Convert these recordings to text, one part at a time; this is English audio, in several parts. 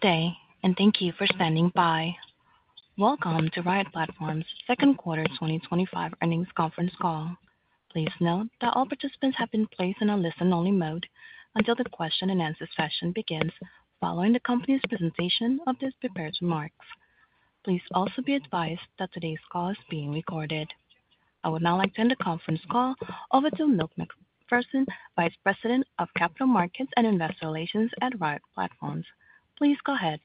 Today, and thank you for standing by. Welcome to Riot Platforms' second quarter 2025 earnings conference call. Please note that all participants have been placed in a listen-only mode until the question-and-answer session begins following the company's presentation of their prepared remarks. Please also be advised that today's call is being recorded. I would now like to hand the conference call over to Phil McPherson, Vice President of Capital Markets and Investor Relations at Riot Platforms. Please go ahead.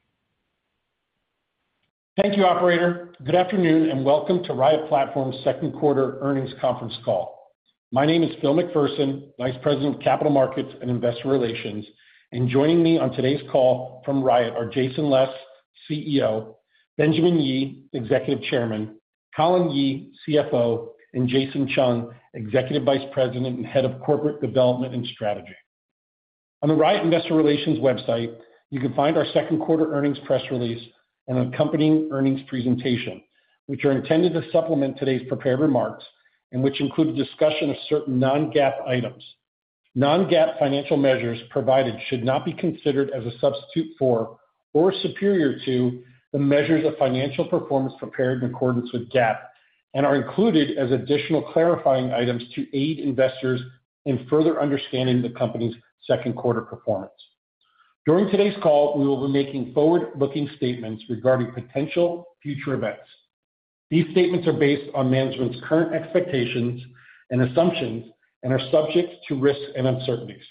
Thank you, Operator. Good afternoon and welcome to Riot Platforms' second quarter earnings conference call. My name is Phil McPherson, Vice President of Capital Markets and Investor Relations, and joining me on today's call from Riot are Jason Les, CEO; Colin Yee, CFO; and Jason Chung, Executive Vice President and Head of Corporate Development and Strategy. On the Riot Investor Relations website, you can find our second quarter earnings press release and an accompanying earnings presentation, which are intended to supplement today's prepared remarks and which include a discussion of certain non-GAAP items. Non-GAAP financial measures provided should not be considered as a substitute for or superior to the measures of financial performance prepared in accordance with GAAP and are included as additional clarifying items to aid investors in further understanding the company's second quarter performance. During today's call, we will be making forward-looking statements regarding potential future events. These statements are based on management's current expectations and assumptions and are subject to risks and uncertainties.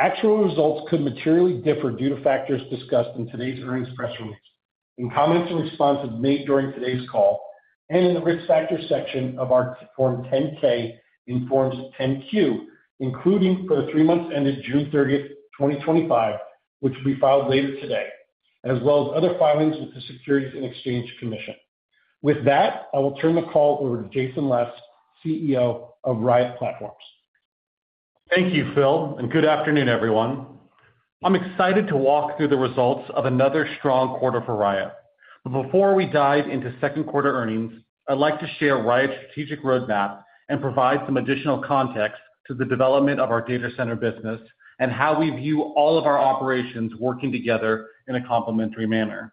Actual results could materially differ due to factors discussed in today's earnings press release, in comments and responses made during today's call, and in the risk factor section of our Form 10-K and Forms 10-Q, including for the three months ended June 30, 2025, which will be filed later today, as well as other filings with the Securities and Exchange Commission. With that, I will turn the call over to Jason Les, CEO of Riot Platforms. Thank you, Phil, and good afternoon, everyone. I'm excited to walk through the results of another strong quarter for Riot. Before we dive into second quarter earnings, I'd like to share Riot's strategic roadmap and provide some additional context to the development of our data center business and how we view all of our operations working together in a complementary manner.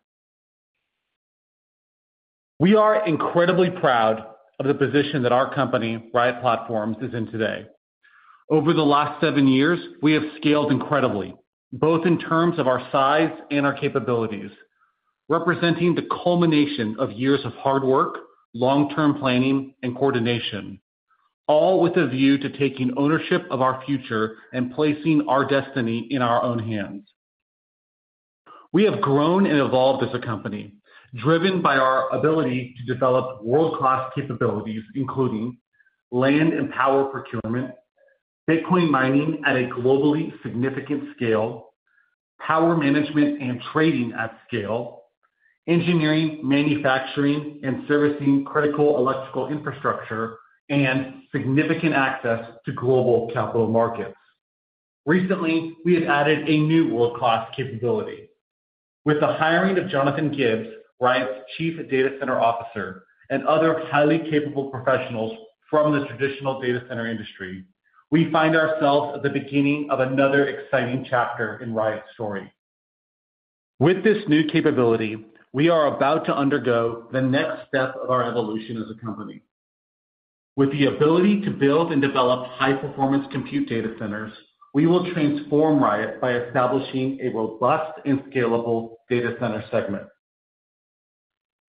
We are incredibly proud of the position that our company, Riot Platforms, is in today. Over the last seven years, we have scaled incredibly, both in terms of our size and our capabilities, representing the culmination of years of hard work, long-term planning, and coordination, all with a view to taking ownership of our future and placing our destiny in our own hands. We have grown and evolved as a company, driven by our ability to develop world-class capabilities, including land and power procurement, Bitcoin mining at a globally significant scale, power management and trading at scale, engineering, manufacturing, and servicing critical electrical infrastructure, and significant access to global capital markets. Recently, we have added a new world-class capability. With the hiring of Jonathan Gibbs, Riot's Chief Data Center Officer, and other highly capable professionals from the traditional data center industry, we find ourselves at the beginning of another exciting chapter in Riot's story. With this new capability, we are about to undergo the next step of our evolution as a company. With the ability to build and develop high-performance compute data centers, we will transform Riot by establishing a robust and scalable data center segment.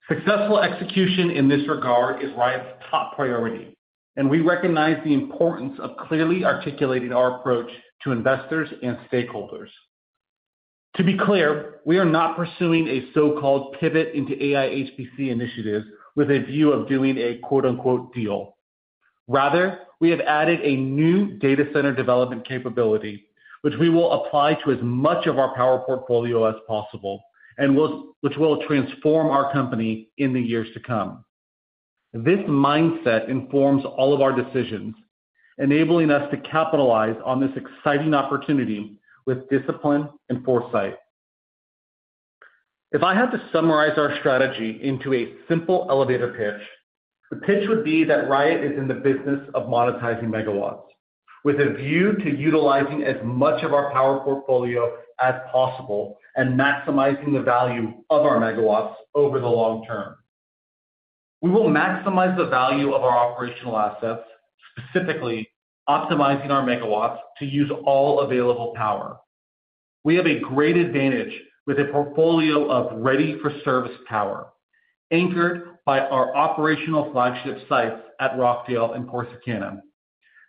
Successful execution in this regard is Riot's top priority, and we recognize the importance of clearly articulating our approach to investors and stakeholders. To be clear, we are not pursuing a so-called pivot into AI HPC initiatives with a view of doing a "deal." Rather, we have added a new data center development capability, which we will apply to as much of our power portfolio as possible, and which will transform our company in the years to come. This mindset informs all of our decisions, enabling us to capitalize on this exciting opportunity with discipline and foresight. If I had to summarize our strategy into a simple elevator pitch, the pitch would be that Riot is in the business of monetizing megawatts, with a view to utilizing as much of our power portfolio as possible and maximizing the value of our megawatts over the long term. We will maximize the value of our operational assets, specifically optimizing our megawatts to use all available power. We have a great advantage with a portfolio of ready-for-service power, anchored by our operational flagship sites at Rockdale and Corsicana.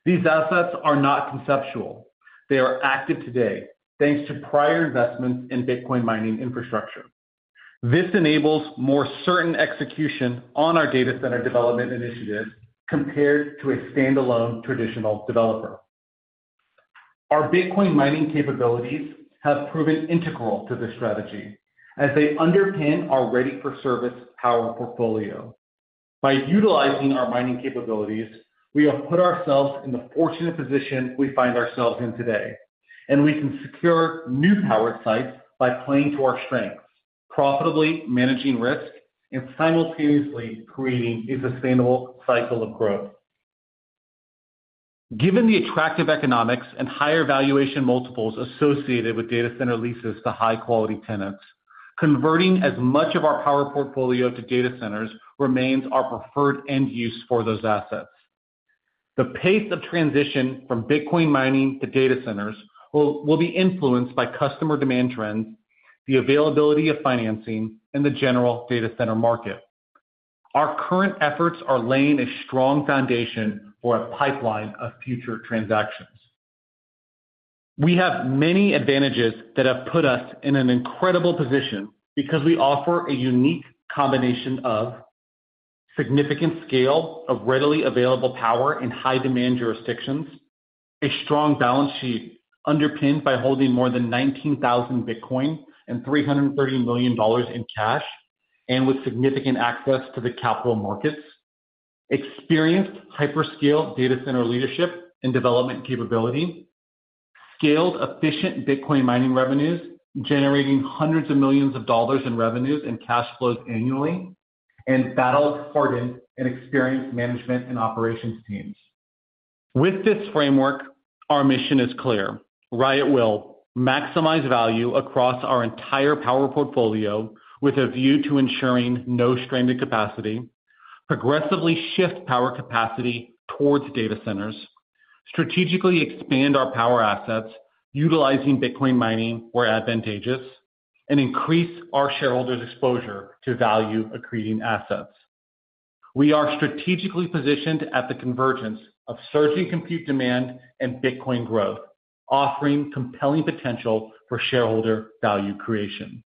These assets are not conceptual. They are active today, thanks to prior investments in Bitcoin mining infrastructure. This enables more certain execution on our data center development initiatives compared to a standalone traditional developer. Our Bitcoin mining capabilities have proven integral to this strategy, as they underpin our ready-for-service power portfolio. By utilizing our mining capabilities, we have put ourselves in the fortunate position we find ourselves in today, and we can secure new power sites by playing to our strengths, profitably managing risk, and simultaneously creating a sustainable cycle of growth. Given the attractive economics and higher valuation multiples associated with data center leases to high-quality tenants, converting as much of our power portfolio to data centers remains our preferred end use for those assets. The pace of transition from Bitcoin mining to data centers will be influenced by customer demand trends, the availability of financing, and the general data center market. Our current efforts are laying a strong foundation for a pipeline of future transactions. We have many advantages that have put us in an incredible position because we offer a unique combination of significant scale of readily available power in high-demand jurisdictions, a strong balance sheet underpinned by holding more than 19,000 Bitcoin and $330 million in cash, and with significant access to the capital markets, experienced hyperscale data center leadership and development capability, scaled efficient Bitcoin mining revenues, generating hundreds of millions of dollars in revenues and cash flows annually, and battle-hardened and experienced management and operations teams. With this framework, our mission is clear. Riot will maximize value across our entire power portfolio with a view to ensuring no strain to capacity, progressively shift power capacity towards data centers, strategically expand our power assets utilizing Bitcoin mining where advantageous, and increase our shareholders' exposure to value accreting assets. We are strategically positioned at the convergence of surging compute demand and Bitcoin growth, offering compelling potential for shareholder value creation.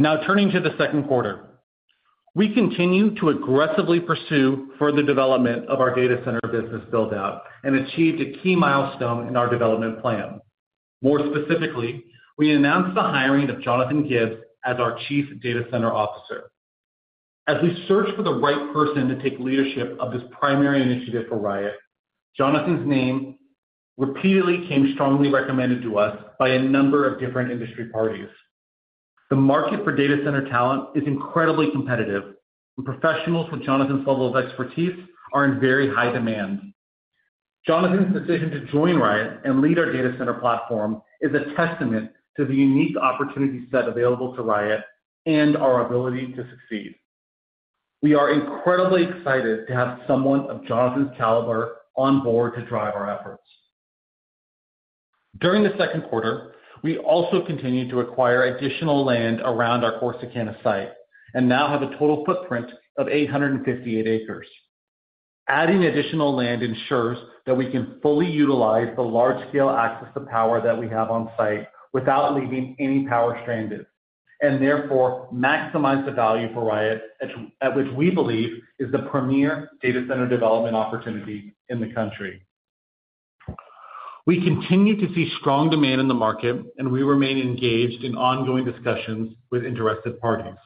Now, turning to the second quarter, we continue to aggressively pursue further development of our data center business buildout and achieved a key milestone in our development plan. More specifically, we announced the hiring of Jonathan Gibbs as our Chief Data Center Officer. As we searched for the right person to take leadership of this primary initiative for Riot, Jonathan's name repeatedly came strongly recommended to us by a number of different industry parties. The market for data center talent is incredibly competitive, and professionals with Jonathan's level of expertise are in very high demand. Jonathan's decision to join Riot and lead our data center platform is a testament to the unique opportunity set available to Riot and our ability to succeed. We are incredibly excited to have someone of Jonathan's caliber on board to drive our efforts. During the second quarter, we also continued to acquire additional land around our Corsicana site and now have a total footprint of 858 acres. Adding additional land ensures that we can fully utilize the large-scale access to power that we have on site without leaving any power stranded and therefore maximize the value for Riot, which we believe is the premier data center development opportunity in the country. We continue to see strong demand in the market, and we remain engaged in ongoing discussions with interested parties.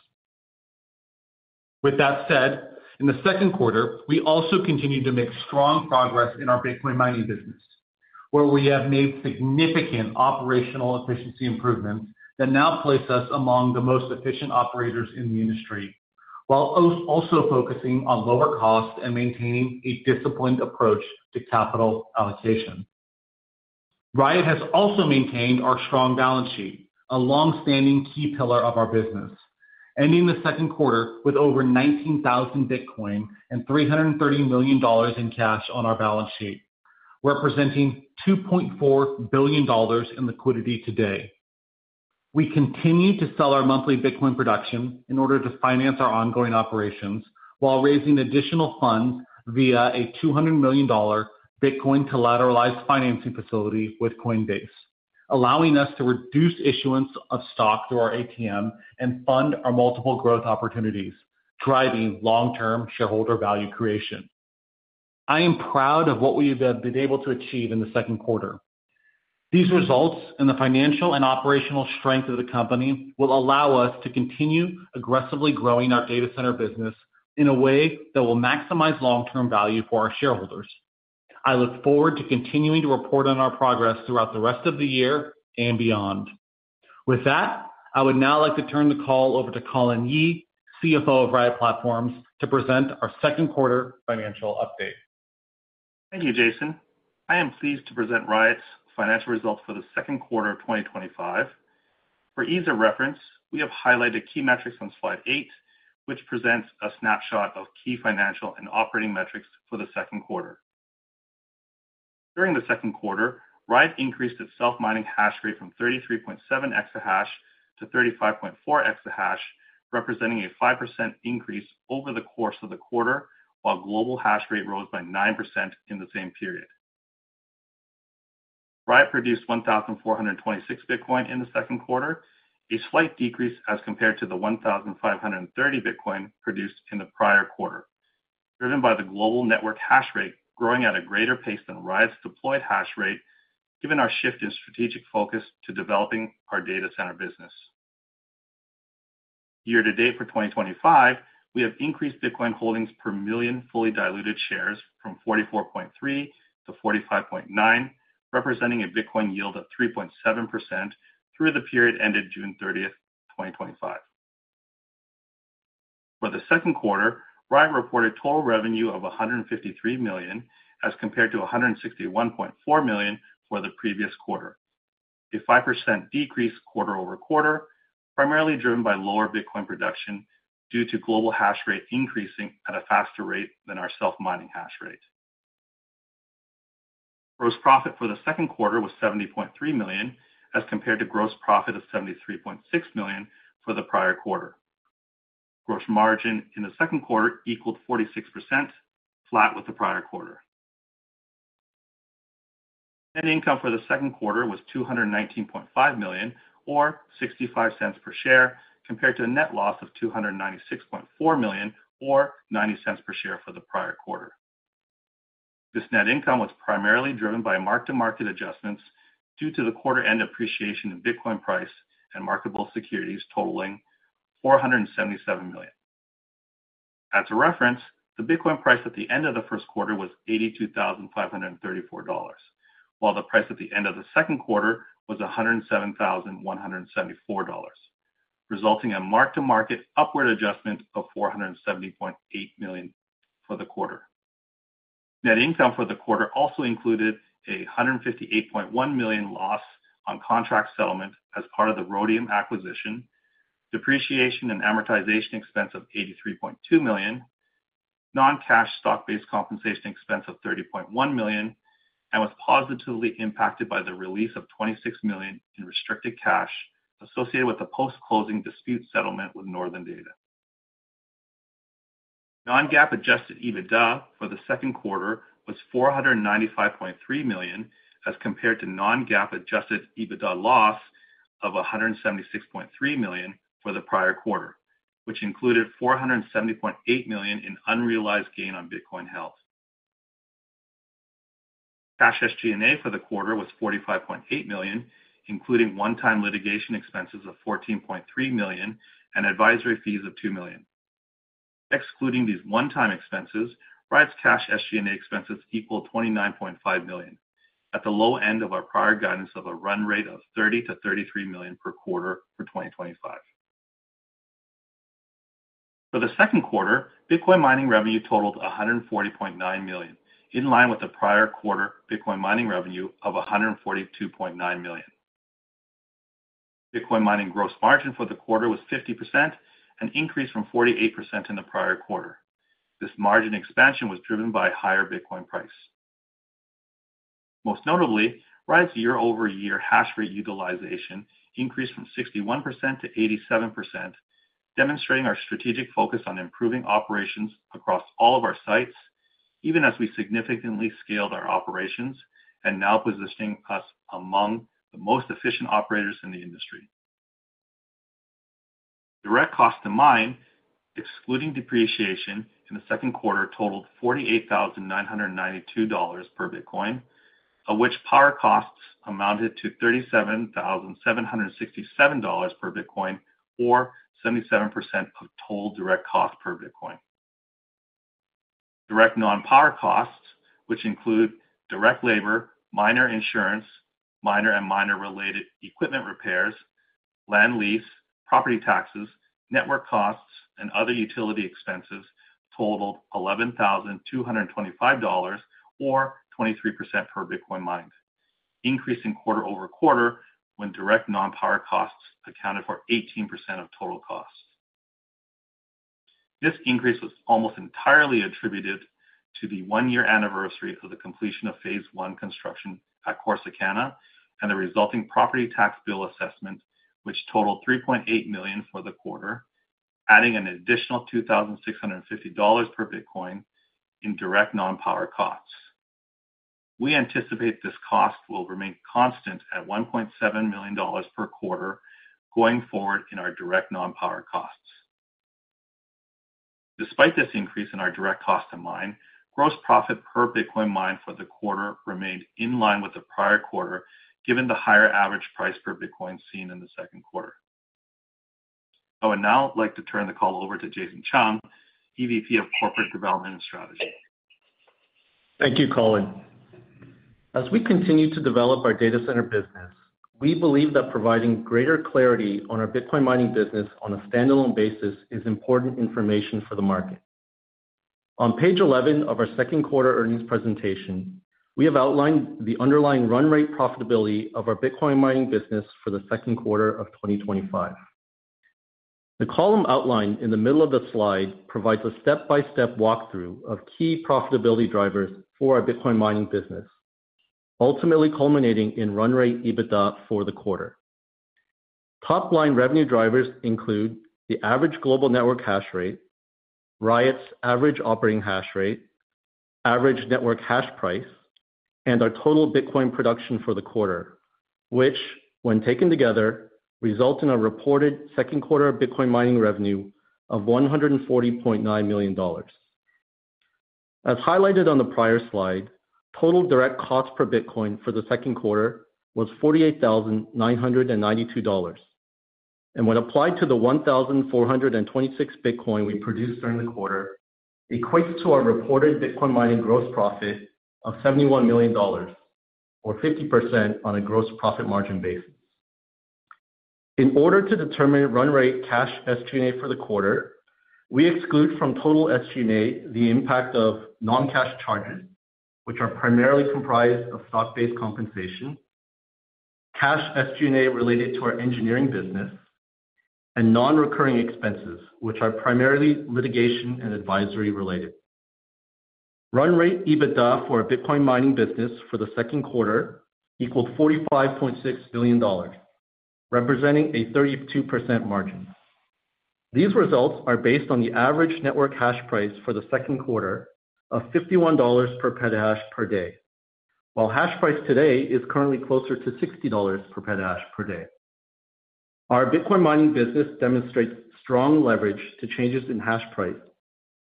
With that said, in the second quarter, we also continue to make strong progress in our Bitcoin mining business, where we have made significant operational efficiency improvements that now place us among the most efficient operators in the industry, while also focusing on lower costs and maintaining a disciplined approach to capital allocation. Riot has also maintained our strong balance sheet, a longstanding key pillar of our business, ending the second quarter with over 19,000 Bitcoin and $330 million in cash on our balance sheet, representing $2.4 billion in liquidity today. We continue to sell our monthly Bitcoin production in order to finance our ongoing operations while raising additional funds via a $200 million Bitcoin-collateralized financing facility with Coinbase, allowing us to reduce issuance of stock through our ATM and fund our multiple growth opportunities, driving long-term shareholder value creation. I am proud of what we have been able to achieve in the second quarter. These results and the financial and operational strength of the company will allow us to continue aggressively growing our data center business in a way that will maximize long-term value for our shareholders. I look forward to continuing to report on our progress throughout the rest of the year and beyond. With that, I would now like to turn the call over to Colin Yee, CFO of Riot Platforms, to present our second quarter financial update. Thank you, Jason. I am pleased to present Riot's financial results for the second quarter of 2025. For ease of reference, we have highlighted key metrics on slide eight, which presents a snapshot of key financial and operating metrics for the second quarter. During the second quarter, Riot increased its self-mining hash rate from 33.7 EH/s to 35.4 EH/s, representing a 5% increase over the course of the quarter, while global hash rate rose by 9% in the same period. Riot produced 1,426 Bitcoin in the second quarter, a slight decrease as compared to the 1,530 Bitcoin produced in the prior quarter, driven by the global network hash rate growing at a greater pace than Riot's deployed hash rate, given our shift in strategic focus to developing our data center business. Year to date for 2025, we have increased Bitcoin holdings per million fully diluted shares from 44.3 to 45.9, representing a Bitcoin yield of 3.7% through the period ended June 30, 2025. For the second quarter, Riot reported total revenue of $153 million as compared to $161.4 million for the previous quarter, a 5% decrease quarter-over-quarter, primarily driven by lower Bitcoin production due to global hash rate increasing at a faster rate than our self-mining hash rate. Gross profit for the second quarter was $70.3 million as compared to gross profit of $73.6 million for the prior quarter. Gross margin in the second quarter equaled 46%, flat with the prior quarter. Net income for the second quarter was $219.5 million or $0.65 per share, compared to a net loss of $296.4 million or $0.90 per share for the prior quarter. This net income was primarily driven by mark-to-market adjustments due to the quarter-end appreciation in Bitcoin price and marketable securities totaling $477 million. As a reference, the Bitcoin price at the end of the first quarter was $82,534, while the price at the end of the second quarter was $107,174, resulting in a mark-to-market upward adjustment of $470.8 million for the quarter. Net income for the quarter also included a $158.1 million loss on contract settlement as part of the Rhodium acquisition, depreciation and amortization expense of $83.2 million, non-cash stock-based compensation expense of $30.1 million, and was positively impacted by the release of $26 million in restricted cash associated with the post-closing dispute settlement with Northern Data. Non-GAAP adjusted EBITDA for the second quarter was $495.3 million as compared to non-GAAP adjusted EBITDA loss of $176.3 million for the prior quarter, which included $470.8 million in unrealized gain on Bitcoin held. Cash SG&A for the quarter was $45.8 million, including one-time litigation expenses of $14.3 million and advisory fees of $2 million. Excluding these one-time expenses, Riot's cash SG&A expenses equal $29.5 million at the low end of our prior guidance of a run rate of $30 million-$33 million per quarter for 2025. For the second quarter, Bitcoin mining revenue totaled $140.9 million, in line with the prior quarter Bitcoin mining revenue of $142.9 million. Bitcoin mining gross margin for the quarter was 50%, an increase from 48% in the prior quarter. This margin expansion was driven by a higher Bitcoin price. Most notably, Riot's year-over-year hash rate utilization increased from 61% to 87%, demonstrating our strategic focus on improving operations across all of our sites, even as we significantly scaled our operations and now positioning us among the most efficient operators in the industry. Direct costs to mine, excluding depreciation in the second quarter, totaled $48,992 per Bitcoin, of which power costs amounted to $37,767 per Bitcoin, or 77% of total direct cost per Bitcoin. Direct non-power costs, which include direct labor, miner insurance, miner and miner related equipment repairs, land lease, property taxes, network costs, and other utility expenses, totaled $11,225 or 23% per Bitcoin mined, increasing quarter-over-quarter when direct non-power costs accounted for 18% of total costs. This increase was almost entirely attributed to the one-year anniversary of the completion of phase one construction at Corsicana and the resulting property tax bill assessment, which totaled $3.8 million for the quarter, adding an additional $2,650 per Bitcoin in direct non-power costs. We anticipate this cost will remain constant at $1.7 million per quarter going forward in our direct non-power costs. Despite this increase in our direct cost to mine, gross profit per Bitcoin mined for the quarter remained in line with the prior quarter, given the higher average price per Bitcoin seen in the second quarter. I would now like to turn the call over to Jason Chung, EVP of Corporate Development and Strategy. Thank you, Colin. As we continue to develop our data center business, we believe that providing greater clarity on our Bitcoin mining business on a standalone basis is important information for the market. On page 11 of our second quarter earnings presentation, we have outlined the underlying run rate profitability of our Bitcoin mining business for the second quarter of 2025. The column outlined in the middle of the slide provides a step-by-step walkthrough of key profitability drivers for our Bitcoin mining business, ultimately culminating in run rate EBITDA for the quarter. Top line revenue drivers include the average global network hash rate, Riot's average operating hash rate, average network hash price, and our total Bitcoin production for the quarter, which, when taken together, result in a reported second quarter Bitcoin mining revenue of $140.9 million. As highlighted on the prior slide, total direct cost per Bitcoin for the second quarter was $48,992, and when applied to the 1,426 Bitcoin we produced during the quarter, it equates to our reported Bitcoin mining gross profit of $71 million, or 50% on a gross profit margin basis. In order to determine run rate cash SG&A for the quarter, we exclude from total SG&A the impact of non-cash charges, which are primarily comprised of stock-based compensation, cash SG&A related to our engineering business, and non-recurring expenses, which are primarily litigation and advisory related. Run rate EBITDA for our Bitcoin mining business for the second quarter equaled $45.6 million, representing a 32% margin. These results are based on the average network hash price for the second quarter of $51 per petahash per day, while hash price today is currently closer to $60 per petahash per day. Our Bitcoin mining business demonstrates strong leverage to changes in hash price,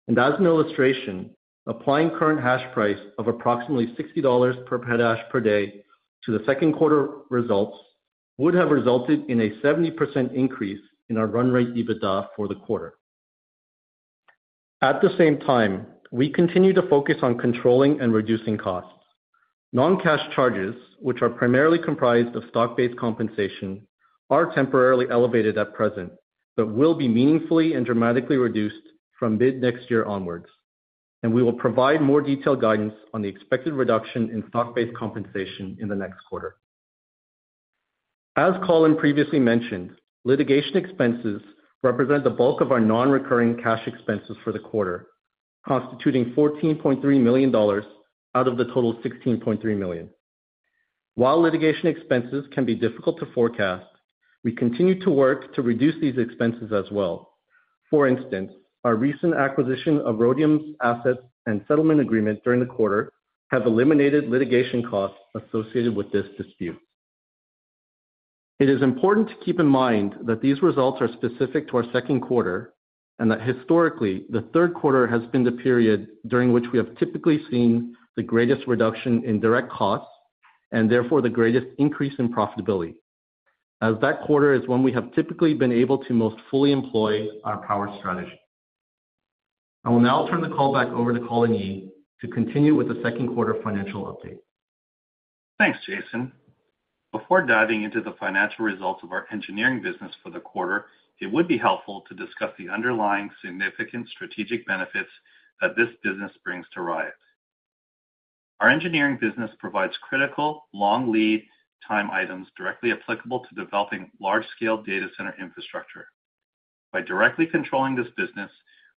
and as an illustration, applying current hash price of approximately $60 per petahash per day to the second quarter results would have resulted in a 70% increase in our run rate EBITDA for the quarter. At the same time, we continue to focus on controlling and reducing costs. Non-cash charges, which are primarily comprised of stock-based compensation, are temporarily elevated at present but will be meaningfully and dramatically reduced from mid-next year onwards, and we will provide more detailed guidance on the expected reduction in stock-based compensation in the next quarter. As Colin previously mentioned, litigation expenses represent the bulk of our non-recurring cash expenses for the quarter, constituting $14.3 million out of the total $16.3 million. While litigation expenses can be difficult to forecast, we continue to work to reduce these expenses as well. For instance, our recent acquisition of Rhodium's assets and settlement agreement during the quarter have eliminated litigation costs associated with this dispute. It is important to keep in mind that these results are specific to our second quarter and that historically, the third quarter has been the period during which we have typically seen the greatest reduction in direct costs and therefore the greatest increase in profitability, as that quarter is when we have typically been able to most fully employ our power strategy. I will now turn the call back over to Colin Yee to continue with the second quarter financial update. Thanks, Jason. Before diving into the financial results of our engineering business for the quarter, it would be helpful to discuss the underlying significant strategic benefits that this business brings to Riot. Our engineering business provides critical long lead time items directly applicable to developing large-scale data center infrastructure. By directly controlling this business,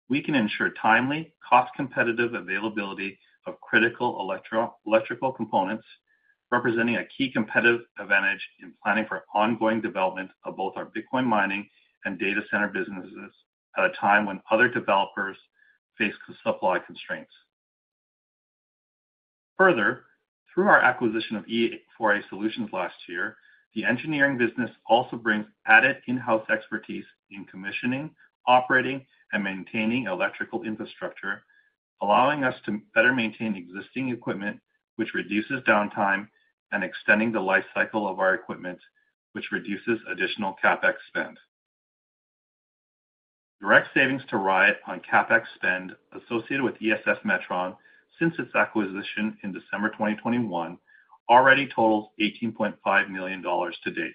we can ensure timely, cost-competitive availability of critical electrical components, representing a key competitive advantage in planning for ongoing development of both our Bitcoin mining and data center businesses at a time when other developers face supply constraints. Further, through our acquisition of E4A Solutions last year, the engineering business also brings added in-house expertise in commissioning, operating, and maintaining electrical infrastructure, allowing us to better maintain existing equipment, which reduces downtime, and extending the lifecycle of our equipment, which reduces additional CapEx spend. Direct savings to Riot on CapEx spend associated with ESS Metron since its acquisition in December 2021 already totals $18.5 million to date,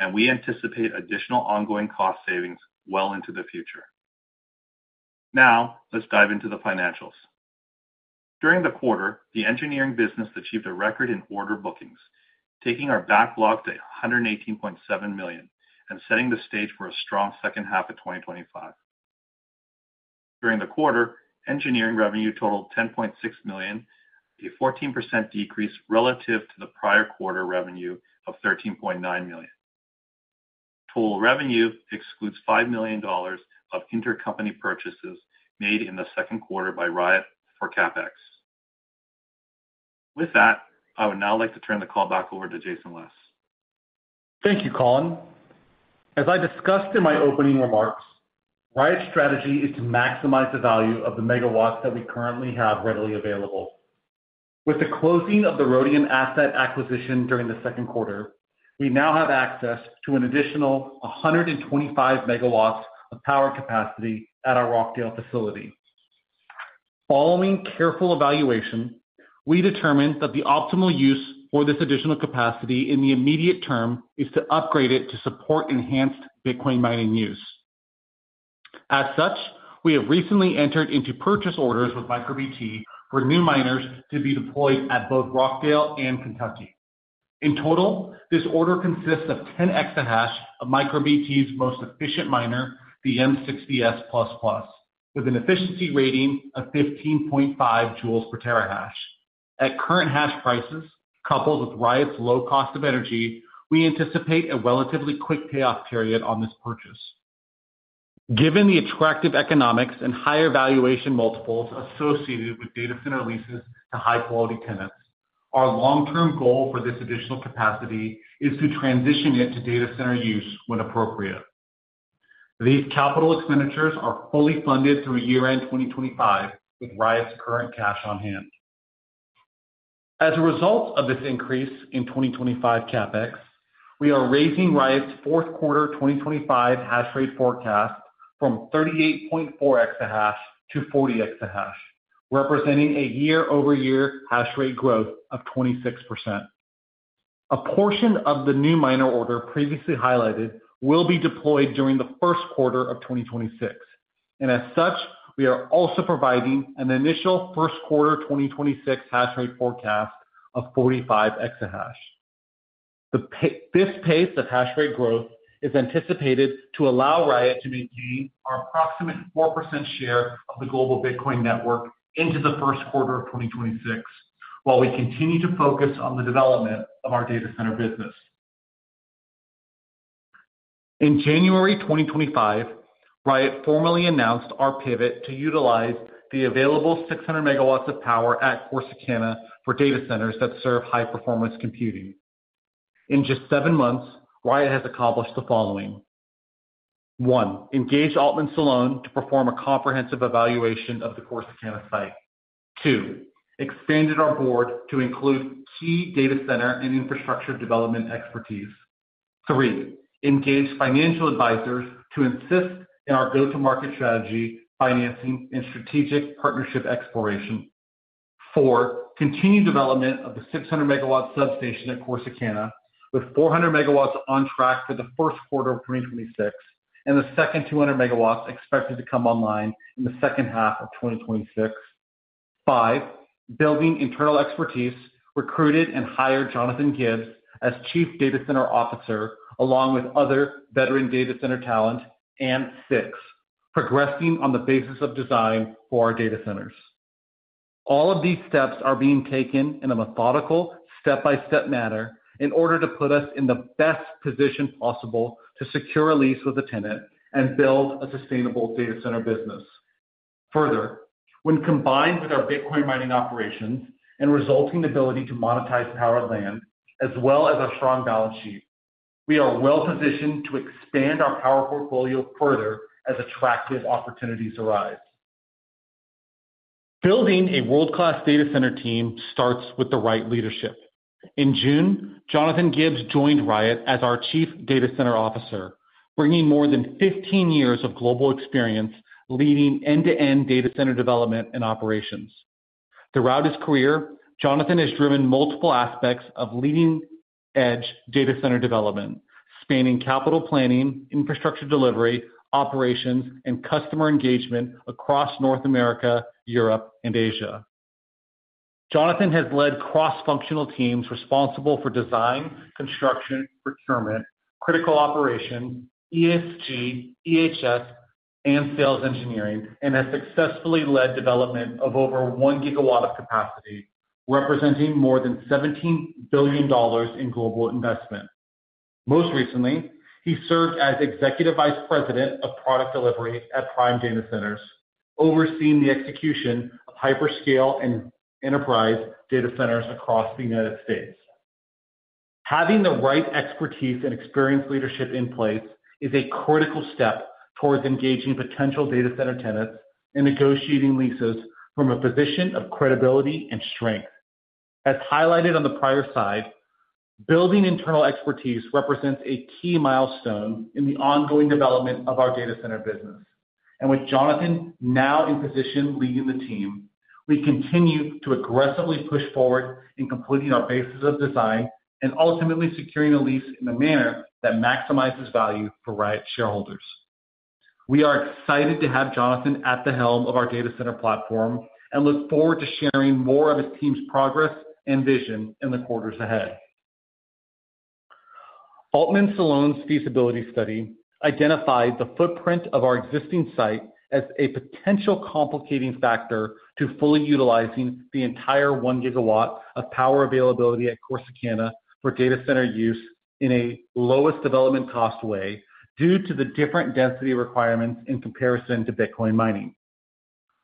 and we anticipate additional ongoing cost savings well into the future. Now, let's dive into the financials. During the quarter, the engineering business achieved a record in order bookings, taking our backlog to $118.7 million and setting the stage for a strong second half of 2025. During the quarter, engineering revenue totaled $10.6 million, a 14% decrease relative to the prior quarter revenue of $13.9 million. Total revenue excludes $5 million of intercompany purchases made in the second quarter by Riot for CapEx. With that, I would now like to turn the call back over to Jason Les. Thank you, Colin. As I discussed in my opening remarks, Riot's strategy is to maximize the value of the megawatts that we currently have readily available. With the closing of the Rhodium asset acquisition during the second quarter, we now have access to an additional 125 MW of power capacity at our Rockdale facility. Following careful evaluation, we determined that the optimal use for this additional capacity in the immediate term is to upgrade it to support enhanced Bitcoin mining use. As such, we have recently entered into purchase orders with MicroBT for new miners to be deployed at both Rockdale and Kentucky. In total, this order consists of 10 EH/s of MicroBT's most efficient miner, the M60S++, with an efficiency rating of 15.5 joules per terahash. At current hash prices, coupled with Riot's low cost of energy, we anticipate a relatively quick payoff period on this purchase. Given the attractive economics and higher valuation multiples associated with data center leases to high-quality tenants, our long-term goal for this additional capacity is to transition it to data center use when appropriate. These capital expenditures are fully funded through year-end 2025 with Riot's current cash on hand. As a result of this increase in 2025 CapEx, we are raising Riot's fourth quarter 2025 hash rate forecast from 38.4 EH/s to 40 EH/s, representing a year-over-year hash rate growth of 26%. A portion of the new miner order previously highlighted will be deployed during the first quarter of 2026, and as such, we are also providing an initial first quarter 2026 hash rate forecast of 45 EH/s. The fifth pace of hash rate growth is anticipated to allow Riot to maintain our approximate 4% share of the global Bitcoin network into the first quarter of 2026, while we continue to focus on the development of our data center business. In January 2025, Riot formally announced our pivot to utilize the available 600 MW of power at Corsicana for data centers that serve high-performance computing. In just seven months, Riot has accomplished the following: one, engaged Altman Salon to perform a comprehensive evaluation of the Corsicana site; two, expanded our board to include key data center and infrastructure development expertise; three, engaged financial advisors to assist in our go-to-market strategy, financing, and strategic partnership exploration; four, continued development of the 600 MW substation at Corsicana, with 400 MW on track for the first quarter of 2026 and the second 200 MW expected to come online in the second half of 2026; five, building internal expertise, recruited and hired Jonathan Gibbs as Chief Data Center Officer, along with other veteran data center talent; and six, progressing on the basis of design for our data centers. All of these steps are being taken in a methodical, step-by-step manner in order to put us in the best position possible to secure a lease with a tenant and build a sustainable data center business. Further, when combined with our Bitcoin mining operations and resulting ability to monetize power land, as well as a strong balance sheet, we are well positioned to expand our power portfolio further as attractive opportunities arise. Building a world-class data center team starts with the right leadership. In June, Jonathan Gibbs joined Riot as our Chief Data Center Officer, bringing more than 15 years of global experience leading end-to-end data center development and operations. Throughout his career, Jonathan has driven multiple aspects of leading-edge data center development, spanning capital planning, infrastructure delivery, operations, and customer engagement across North America, Europe, and Asia. Jonathan has led cross-functional teams responsible for design, construction, procurement, critical operations, ESG, EHS, and sales engineering, and has successfully led development of over 1 GW of capacity, representing more than $17 billion in global investment. Most recently, he served as Executive Vice President of Product Delivery at Prime Data Centers, overseeing the execution of hyperscale and enterprise data centers across the United States. Having the right expertise and experienced leadership in place is a critical step towards engaging potential data center tenants and negotiating leases from a position of credibility and strength. As highlighted on the prior slide, building internal expertise represents a key milestone in the ongoing development of our data center business, and with Jonathan now in position leading the team, we continue to aggressively push forward in completing our basis of design and ultimately securing a lease in a manner that maximizes value for Riot shareholders. We are excited to have Jonathan at the helm of our data center platform and look forward to sharing more of his team's progress and vision in the quarters ahead. Altman Salon's feasibility study identified the footprint of our existing site as a potential complicating factor to fully utilizing the entire 1 GW of power availability at Corsicana for data center use in a lowest development cost way due to the different density requirements in comparison to Bitcoin mining.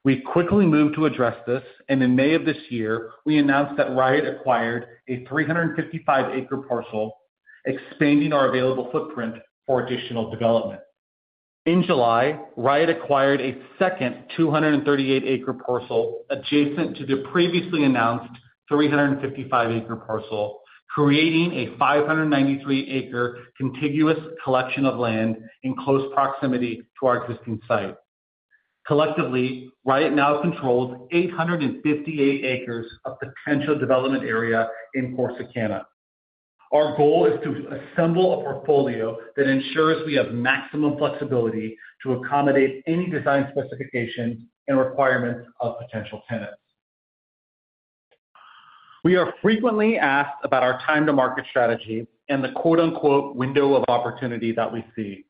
We quickly moved to address this, and in May of this year, we announced that Riot acquired a 355-acre parcel, expanding our available footprint for additional development. In July, Riot acquired a second 238-acre parcel adjacent to the previously announced 355-acre parcel, creating a 593-acre contiguous collection of land in close proximity to our existing site. Collectively, Riot now controls 858 acres of potential development area in Corsicana. Our goal is to assemble a portfolio that ensures we have maximum flexibility to accommodate any design specifications and requirements of potential tenants. We are frequently asked about our time-to-market strategy and the quote-unquote "window of opportunity" that we see.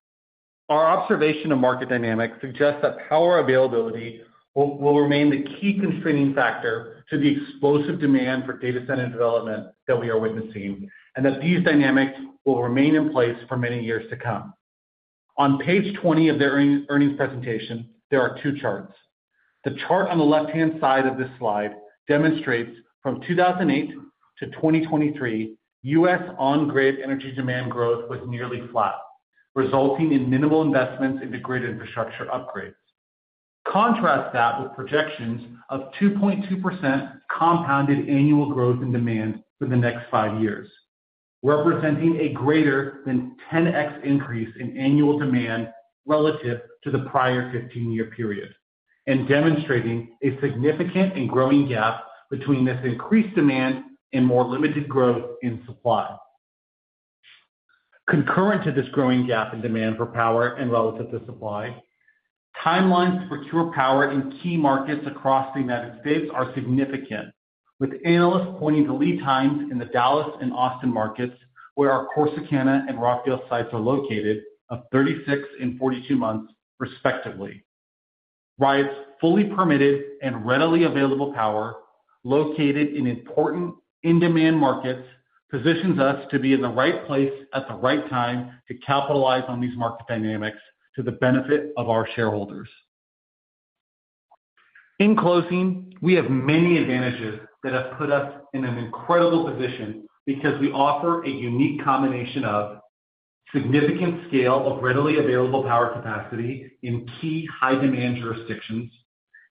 Our observation of market dynamics suggests that power availability will remain the key constraining factor to the explosive demand for data center development that we are witnessing and that these dynamics will remain in place for many years to come. On page 20 of the earnings presentation, there are two charts. The chart on the left-hand side of this slide demonstrates from 2008 to 2023, U.S. on-grid energy demand growth was nearly flat, resulting in minimal investments into grid infrastructure upgrades. Contrast that with projections of 2.2% compounded annual growth in demand for the next five years, representing a greater than 10x increase in annual demand relative to the prior 15-year period and demonstrating a significant and growing gap between this increased demand and more limited growth in supply. Concurrent to this growing gap in demand for power and relative to supply, timelines to procure power in key markets across the United States are significant, with analysts pointing to lead times in the Dallas and Austin markets where our Corsicana and Rockdale sites are located of 36 and 42 months, respectively. Riot's fully permitted and readily available power located in important in-demand markets positions us to be in the right place at the right time to capitalize on these market dynamics to the benefit of our shareholders. In closing, we have many advantages that have put us in an incredible position because we offer a unique combination of significant scale of readily available power capacity in key high-demand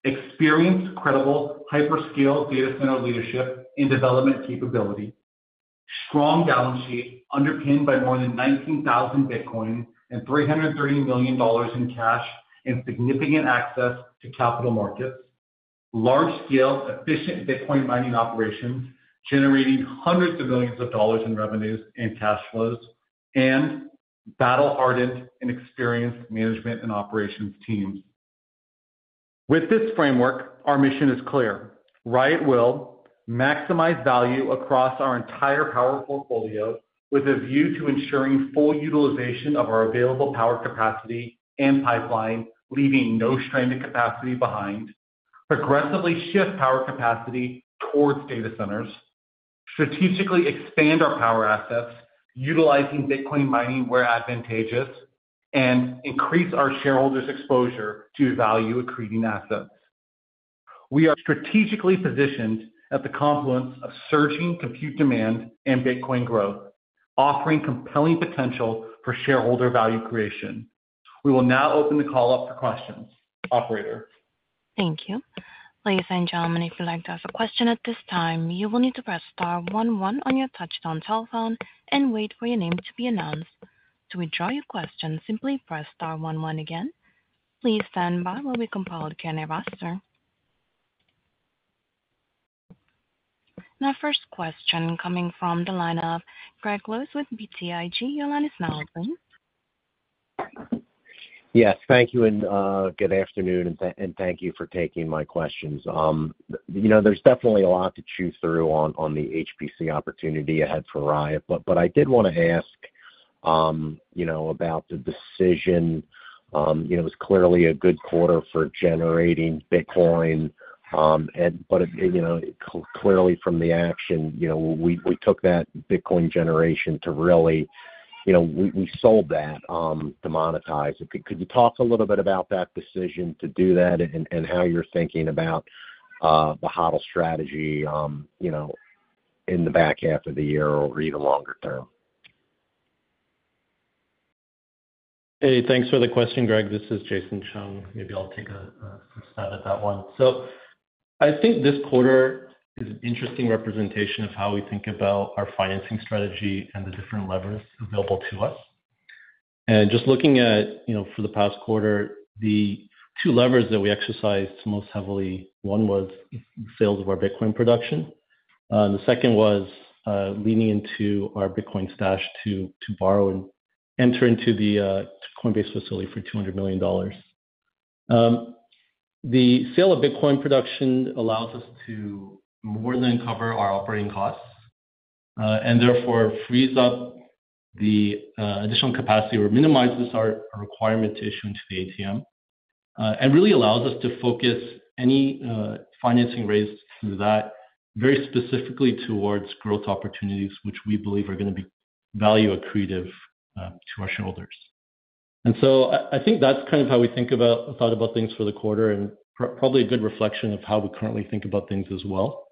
jurisdictions, experienced, credible hyperscale data center leadership and development capability, strong balance sheets underpinned by more than 19,000 Bitcoin and $330 million in cash, and significant access to capital markets, large-scale efficient Bitcoin mining operations generating hundreds of millions of dollars in revenues and cash flows, and battle-hardened and experienced management and operations teams. With this framework, our mission is clear: Riot will maximize value across our entire power portfolio with a view to ensuring full utilization of our available power capacity and pipeline, leaving no strain to capacity behind, aggressively shift power capacity towards data centers, strategically expand our power assets utilizing Bitcoin mining where advantageous, and increase our shareholders' exposure to value accreting assets. We are strategically positioned at the confluence of surging compute demand and Bitcoin growth, offering compelling potential for shareholder value creation. We will now open the call up for questions. Operator. Thank you. Ladies and gentlemen, if you would like to ask a question at this time, you will need to press star one one on your touch-tone telephone and wait for your name to be announced. To withdraw your question, simply press star one one again. Please stand by while we compile the Q&A roster. Now, first question coming from the line of Greg Lewis with BTIG. Your line is now open. Yes, thank you, and good afternoon, and thank you for taking my questions. There's definitely a lot to chew through on the HPC opportunity ahead for Riot, but I did want to ask about the decision. It was clearly a good quarter for generating Bitcoin, but from the action, we took that Bitcoin generation to really, we sold that to monetize. Could you talk a little bit about that decision to do that and how you're thinking about the HODL strategy in the back half of the year or even longer term? Hey, thanks for the question, Greg. This is Jason Chung. Maybe I'll take a stab at that one. I think this quarter is an interesting representation of how we think about our financing strategy and the different levers available to us. Just looking at, you know, for the past quarter, the two levers that we exercised most heavily, one was the sales of our Bitcoin production, and the second was leaning into our Bitcoin stash to borrow and enter into the Coinbase facility for $200 million. The sale of Bitcoin production allows us to more than cover our operating costs and therefore frees up the additional capacity or minimizes our requirement to issue into the ATM and really allows us to focus any financing raised through that very specifically towards growth opportunities, which we believe are going to be value accretive to our shareholders. I think that's kind of how we think about thought about things for the quarter and probably a good reflection of how we currently think about things as well.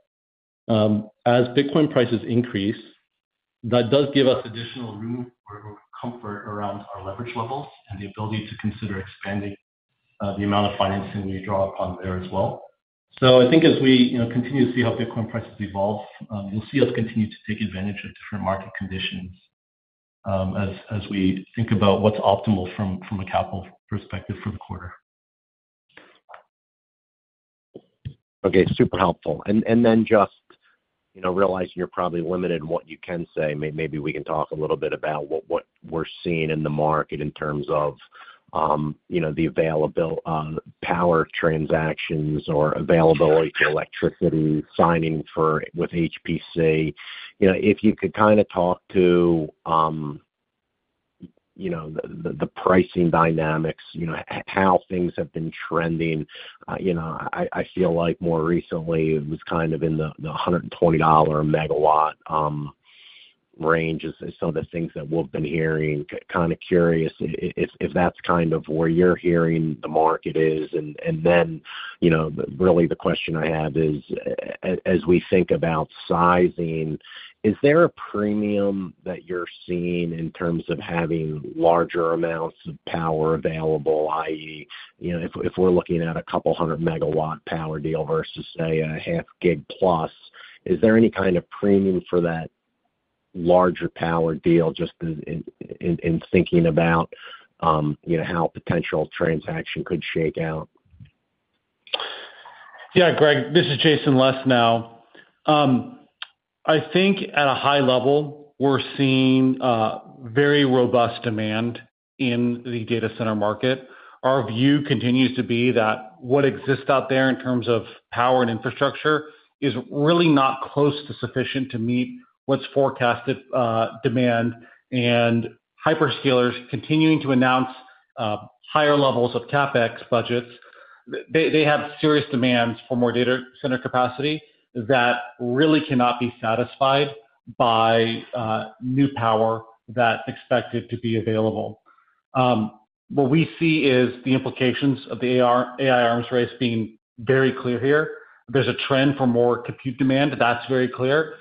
As Bitcoin prices increase, that does give us additional room or comfort around our leverage levels and the ability to consider expanding the amount of financing we draw upon there as well. I think as we continue to see how Bitcoin prices evolve, you'll see us continue to take advantage of different market conditions as we think about what's optimal from a capital perspective for the quarter. OK, super helpful. Just realizing you're probably limited in what you can say, maybe we can talk a little bit about what we're seeing in the market in terms of the available power transactions or availability to electricity, signing with HPC. If you could kind of talk to the pricing dynamics, how things have been trending. I feel like more recently it was kind of in the $120 per megawatt range, is some of the things that we've been hearing. Kind of curious if that's where you're hearing the market is. Really the question I have is, as we think about sizing, is there a premium that you're seeing in terms of having larger amounts of power available, i.e., if we're looking at a couple hundred megawatt power deal versus, say, a half gig plus, is there any kind of premium for that larger power deal just in thinking about how a potential transaction could shake out? Yeah, Greg, this is Jason Les now. I think at a high level, we're seeing very robust demand in the data center market. Our view continues to be that what exists out there in terms of power and infrastructure is really not close to sufficient to meet what's forecasted demand. Hyperscalers continuing to announce higher levels of CapEx budgets, they have serious demands for more data center capacity that really cannot be satisfied by new power that's expected to be available. What we see is the implications of the AI arms race being very clear here. There's a trend for more compute demand. That's very clear.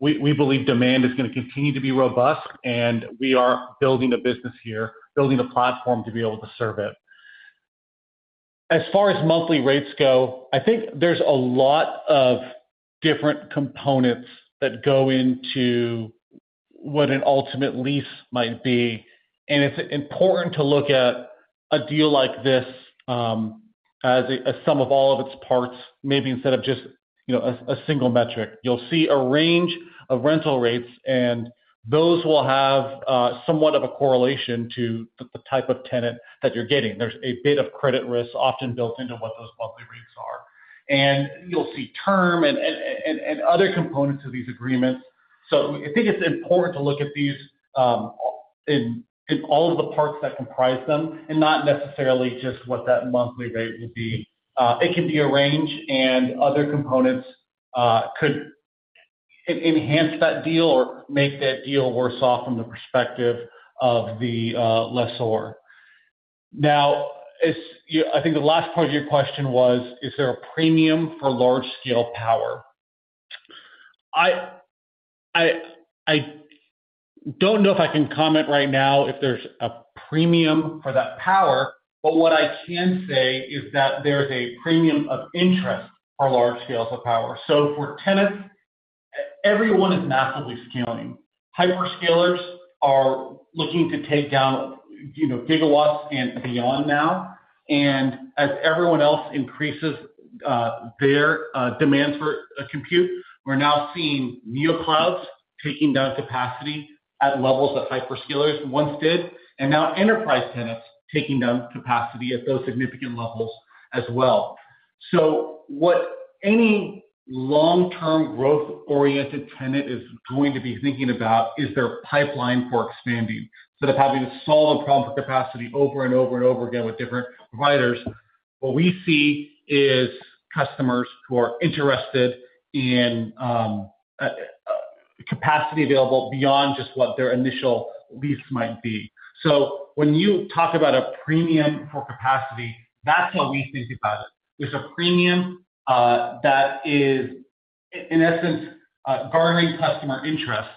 We believe demand is going to continue to be robust, and we are building a business here, building a platform to be able to serve it. As far as monthly rates go, I think there's a lot of different components that go into what an ultimate lease might be. It's important to look at a deal like this as a sum of all of its parts, maybe instead of just a single metric. You'll see a range of rental rates, and those will have somewhat of a correlation to the type of tenant that you're getting. There's a bit of credit risk often built into what those monthly rates are. You'll see term and other components of these agreements. I think it's important to look at these in all of the parts that comprise them and not necessarily just what that monthly rate would be. It can be a range, and other components could enhance that deal or make that deal worse off from the perspective of the lessor. I think the last part of your question was, is there a premium for large-scale power? I don't know if I can comment right now if there's a premium for that power, but what I can say is that there's a premium of interest for large scales of power. For tenants, everyone is massively scaling. Hyperscalers are looking to take down gigawatts and beyond now. As everyone else increases their demands for compute, we're now seeing neoclouds taking down capacity at levels that hyperscalers once did, and now enterprise tenants taking down capacity at those significant levels as well. What any long-term growth-oriented tenant is going to be thinking about is their pipeline for expanding instead of having to solve a problem for capacity over and over and over again with different providers. What we see is customers who are interested in capacity available beyond just what their initial lease might be. When you talk about a premium for capacity, that's how we think about it. There's a premium that is, in essence, garnering customer interest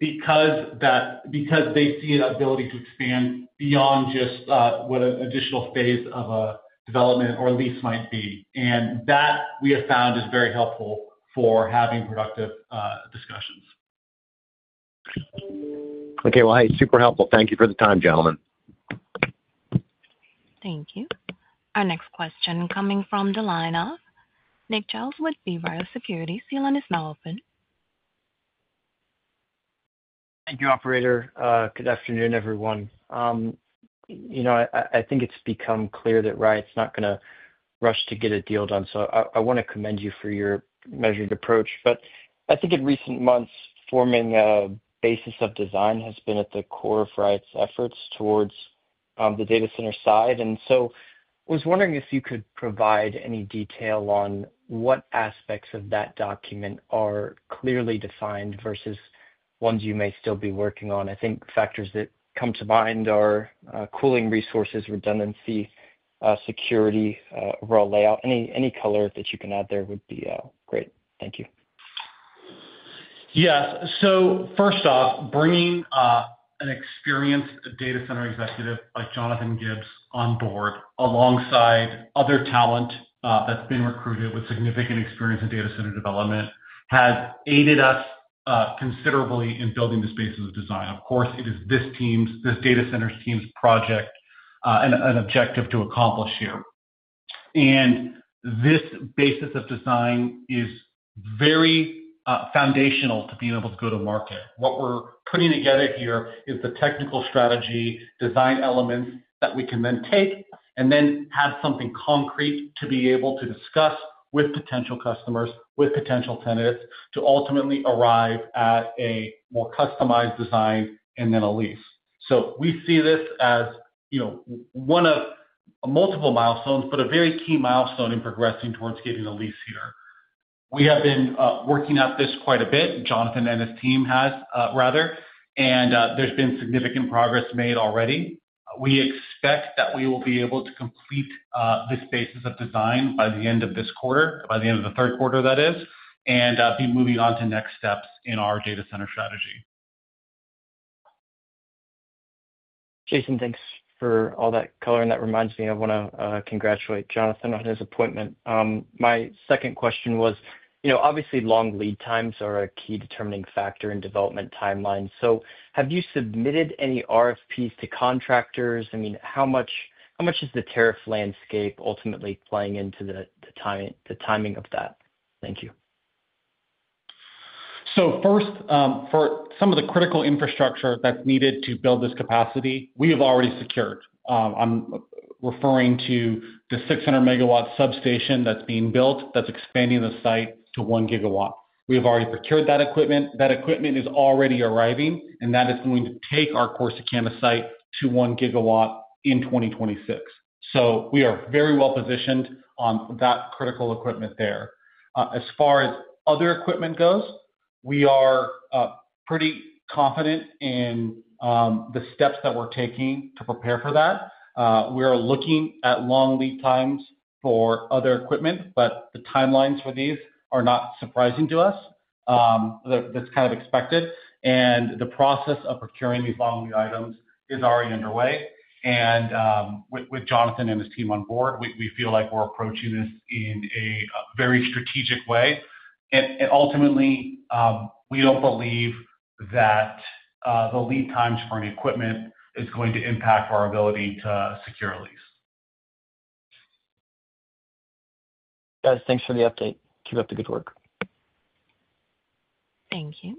because they see an ability to expand beyond just what an additional phase of a development or lease might be. That we have found is very helpful for having productive discussions. OK, hey, super helpful. Thank you for the time, gentlemen. Thank you. Our next question coming from the line of Nick Giles with B. Riley Securities. The line is now open. Thank you, Operator. Good afternoon, everyone. I think it's become clear that Riot's not going to rush to get a deal done. I want to commend you for your measured approach. I think in recent months, forming a basis of design has been at the core of Riot's efforts towards the data center side. I was wondering if you could provide any detail on what aspects of that document are clearly defined versus ones you may still be working on. I think factors that come to mind are cooling resources, redundancy, security, overall layout. Any color that you can add there would be great. Thank you. Yes. First off, bringing an experienced data center executive like Jonathan Gibbs on board alongside other talent that's been recruited with significant experience in data center development has aided us considerably in building this basis of design. Of course, it is this data center team's project and an objective to accomplish here. This basis of design is very foundational to being able to go to market. What we're putting together here is the technical strategy design elements that we can then take and have something concrete to be able to discuss with potential customers, with potential tenants, to ultimately arrive at a more customized design and then a lease. We see this as one of multiple milestones, but a very key milestone in progressing towards getting a lease here. We have been working at this quite a bit, Jonathan and his team have, and there's been significant progress made already. We expect that we will be able to complete this basis of design by the end of this quarter, by the end of the third quarter, and be moving on to next steps in our data center strategy. Jason, thanks for all that color. That reminds me, I want to congratulate Jonathan on his appointment. My second question was, you know, obviously long lead times are a key determining factor in development timelines. Have you submitted any RFPs to contractors? I mean, how much is the tariff landscape ultimately playing into the timing of that? Thank you. For some of the critical infrastructure that's needed to build this capacity, we have already secured it. I'm referring to the 600 MW substation that's being built that's expanding the site to 1 GW. We have already procured that equipment. That equipment is already arriving, and that is going to take our Corsicana site to 1 GW in 2026. We are very well positioned on that critical equipment there. As far as other equipment goes, we are pretty confident in the steps that we're taking to prepare for that. We are looking at long lead times for other equipment, but the timelines for these are not surprising to us. That's kind of expected. The process of procuring these long lead items is already underway. With Jonathan and his team on board, we feel like we're approaching this in a very strategic way. Ultimately, we don't believe that the lead times for any equipment are going to impact our ability to secure a lease. Guys, thanks for the update. Keep up the good work. Thank you.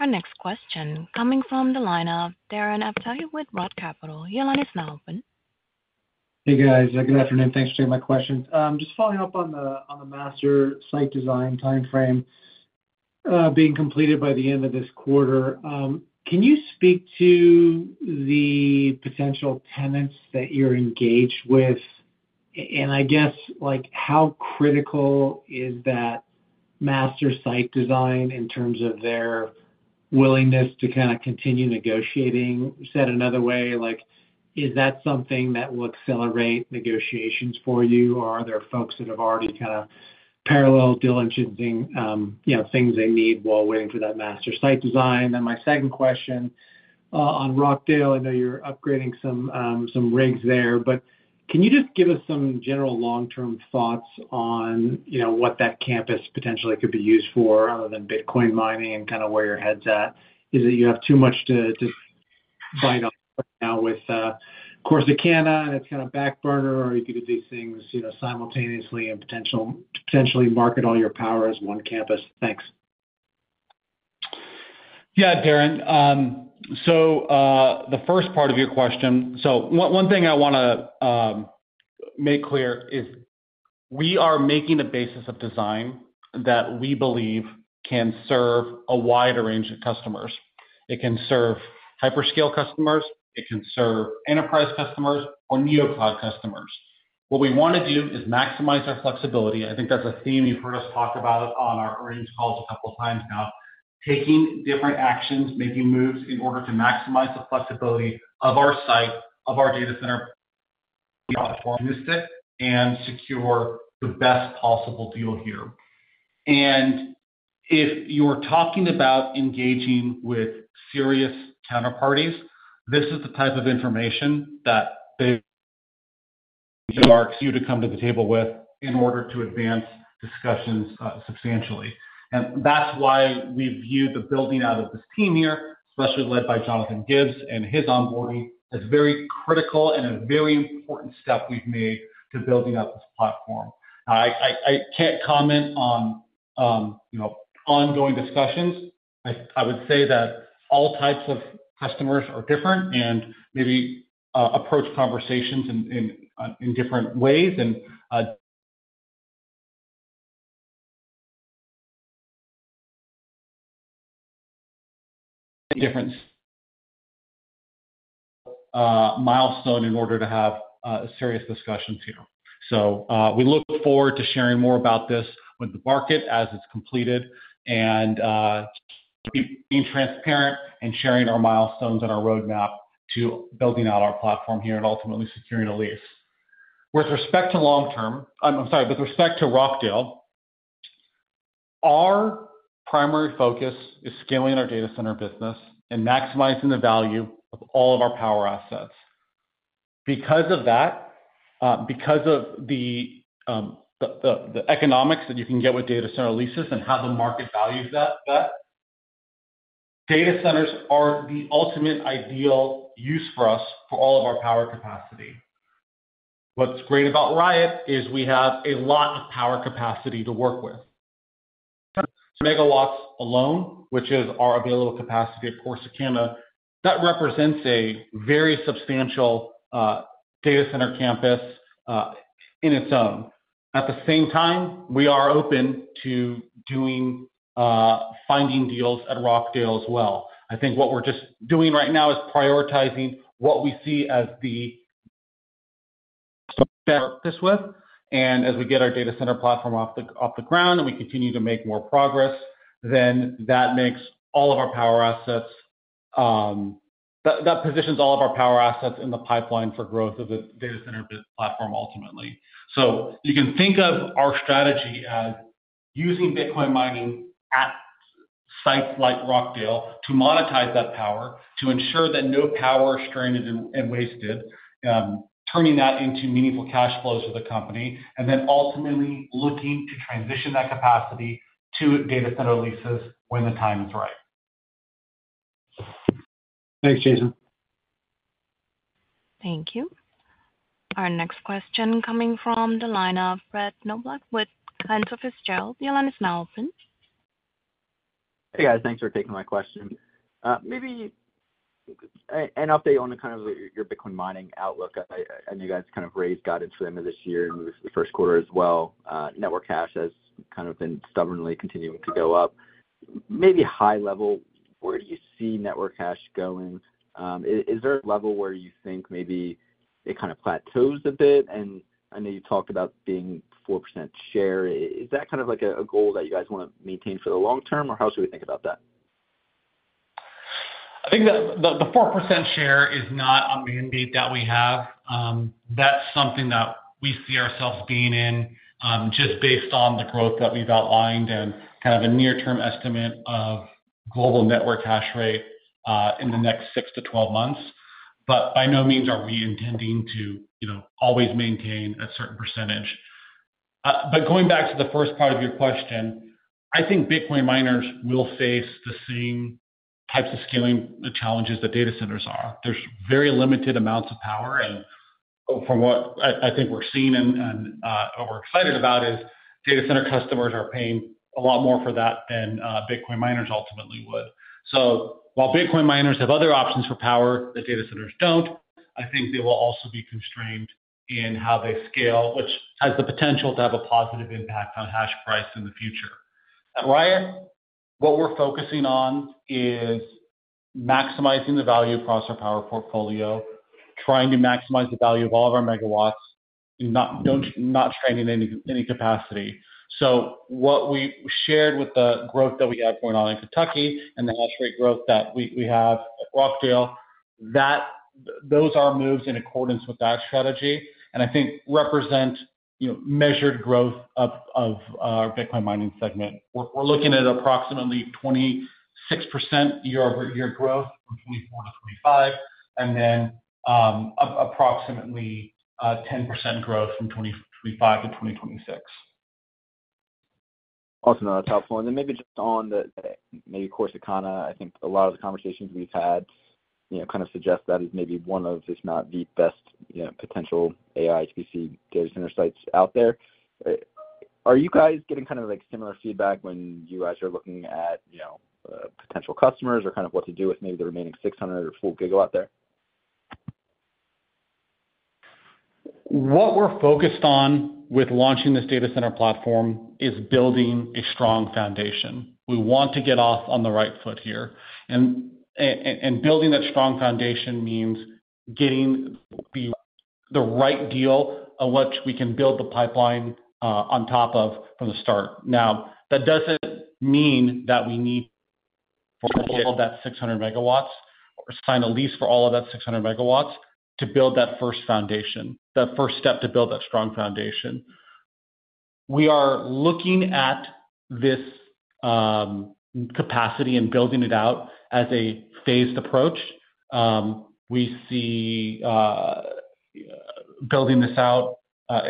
Our next question coming from the line of Darren Aftahi with ROTH Capital. Your line is now open. Hey, guys. Good afternoon. Thanks for taking my question. Just following up on the master site design timeframe being completed by the end of this quarter, can you speak to the potential tenants that you're engaged with? I guess, like, how critical is that master site design in terms of their willingness to kind of continue negotiating? Said another way, is that something that will accelerate negotiations for you, or are there folks that have already kind of parallel diligencing things they need while waiting for that master site design? My second question on Rockdale, I know you're upgrading some rigs there, but can you just give us some general long-term thoughts on what that campus potentially could be used for other than Bitcoin mining and kind of where your head's at? Is it you have too much to bite off right now with Corsicana and it's kind of backburner, or are you going to do these things simultaneously and potentially market all your power as one campus? Thanks. Yeah, Darren. The first part of your question, one thing I want to make clear is we are making a basis of design that we believe can serve a wide range of customers. It can serve hyperscale customers. It can serve enterprise customers or neocloud customers. What we want to do is maximize our flexibility. I think that's a theme you've heard us talk about on our earnings calls a couple of times now, taking different actions, making moves in order to maximize the flexibility of our site, of our data center platform, and secure the best possible deal here. If you are talking about engaging with serious counterparties, this is the type of information that they desire you to come to the table with in order to advance discussions substantially. That's why we view the building out of this team here, especially led by Jonathan Gibbs and his onboarding, as a very critical and a very important step we've made to building up this platform. I can't comment on ongoing discussions. I would say that all types of customers are different and maybe approach conversations in different ways and different milestones in order to have serious discussions here. We look forward to sharing more about this with the market as it's completed and being transparent and sharing our milestones and our roadmap to building out our platform here and ultimately securing a lease. With respect to long-term, I'm sorry, with respect to Rockdale, our primary focus is scaling our data center business and maximizing the value of all of our power assets. Because of that, because of the economics that you can get with data center leases and how the market values that, data centers are the ultimate ideal use for us for all of our power capacity. What's great about Riot is we have a lot of power capacity to work with. Megawatts alone, which is our available capacity at Corsicana, that represents a very substantial data center campus in its own. At the same time, we are open to finding deals at Rockdale as well. I think what we're just doing right now is prioritizing what we see as the best to start this with. As we get our data center platform off the ground and we continue to make more progress, that makes all of our power assets, that positions all of our power assets in the pipeline for growth of the data center platform ultimately. You can think of our strategy as using Bitcoin mining at sites like Rockdale to monetize that power, to ensure that no power is strained and wasted, turning that into meaningful cash flows for the company, and then ultimately looking to transition that capacity to data center leases when the time is right. Thanks, Jason. Thank you. Our next question coming from the line of Brett Knoblauch with Cantor Firtzgerald. Your line is now open. Hey, guys. Thanks for taking my question. Maybe an update on kind of your Bitcoin mining outlook. I know you guys kind of raised guidance for the end of this year and the first quarter as well. Network hash has kind of been stubbornly continuing to go up. Maybe high level, where do you see network hash going? Is there a level where you think maybe it kind of plateaus a bit? I know you talked about being 4% share. Is that kind of like a goal that you guys want to maintain for the long term, or how should we think about that? I think that the 4% share is not a mandate that we have. That's something that we see ourselves being in just based on the growth that we've outlined and kind of a near-term estimate of global network hash rate in the next 6 months-12 months. By no means are we intending to always maintain a certain percentage. Going back to the first part of your question, I think Bitcoin miners will face the same types of scaling challenges that data centers are. There's very limited amounts of power. From what I think we're seeing and what we're excited about is data center customers are paying a lot more for that than Bitcoin miners ultimately would. While Bitcoin miners have other options for power that data centers don't, I think they will also be constrained in how they scale, which has the potential to have a positive impact on hash price in the future. At Riot, what we're focusing on is maximizing the value across our power portfolio, trying to maximize the value of all of our megawatts and not straining any capacity. What we shared with the growth that we have going on in Kentucky and the hash rate growth that we have at Rockdale, those are moves in accordance with that strategy and I think represent measured growth of our Bitcoin mining segment. We're looking at approximately 26% year-over-year growth from 2024 to 2025 and then approximately 10% growth from 2025 to 2026. Awesome. That's helpful. Maybe just on the Corsicana, I think a lot of the conversations we've had kind of suggest that is maybe one of, if not the best, potential AI HPC data center sites out there. Are you guys getting kind of similar feedback when you guys are looking at potential customers or kind of what to do with maybe the remaining 600 or full gigawatt there? What we're focused on with launching this data center platform is building a strong foundation. We want to get off on the right foot here. Building that strong foundation means getting the right deal on which we can build the pipeline on top of from the start. That doesn't mean that we need to build all of that 600 MW or sign a lease for all of that 600 MW to build that first foundation, that first step to build that strong foundation. We are looking at this capacity and building it out as a phased approach. We see building this out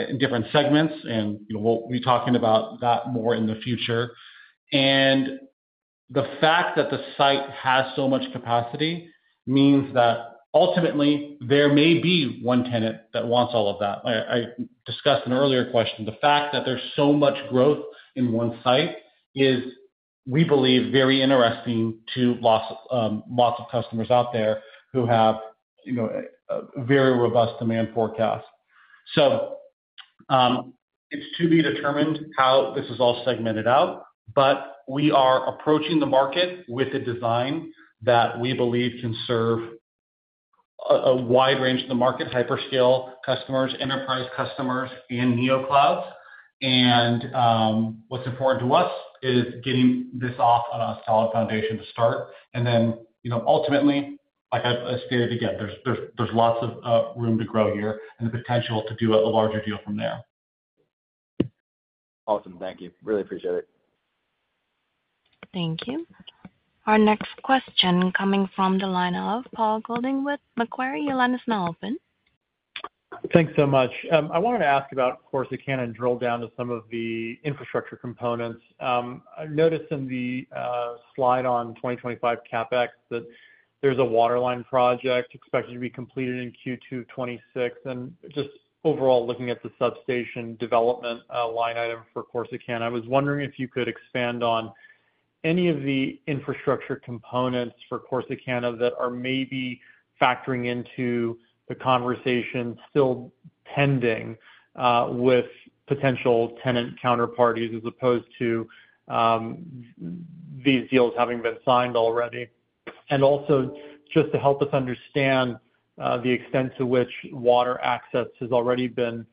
in different segments, and we'll be talking about that more in the future. The fact that the site has so much capacity means that ultimately there may be one tenant that wants all of that. I discussed in an earlier question, the fact that there's so much growth in one site is, we believe, very interesting to lots of customers out there who have a very robust demand forecast. It's to be determined how this is all segmented out, but we are approaching the market with a design that we believe can serve a wide range of the market: hyperscale customers, enterprise customers, and neoclouds. What's important to us is getting this off on a solid foundation to start. Ultimately, like I stated again, there's lots of room to grow here and the potential to do a larger deal from there. Awesome. Thank you. Really appreciate it. Thank you. Our next question coming from the line of Paul Golding with Macquarie. Your line is now open. Thanks so much. I wanted to ask about Corsicana and drill down to some of the infrastructure components. I noticed in the slide on 2025 CapEx that there's a waterline project expected to be completed in Q2 of 2026. Just overall, looking at the substation development line item for Corsicana, I was wondering if you could expand on any of the infrastructure components for Corsicana that are maybe factoring into the conversation still pending with potential tenant counterparties as opposed to these deals having been signed already. Also, just to help us understand the extent to which water access has already been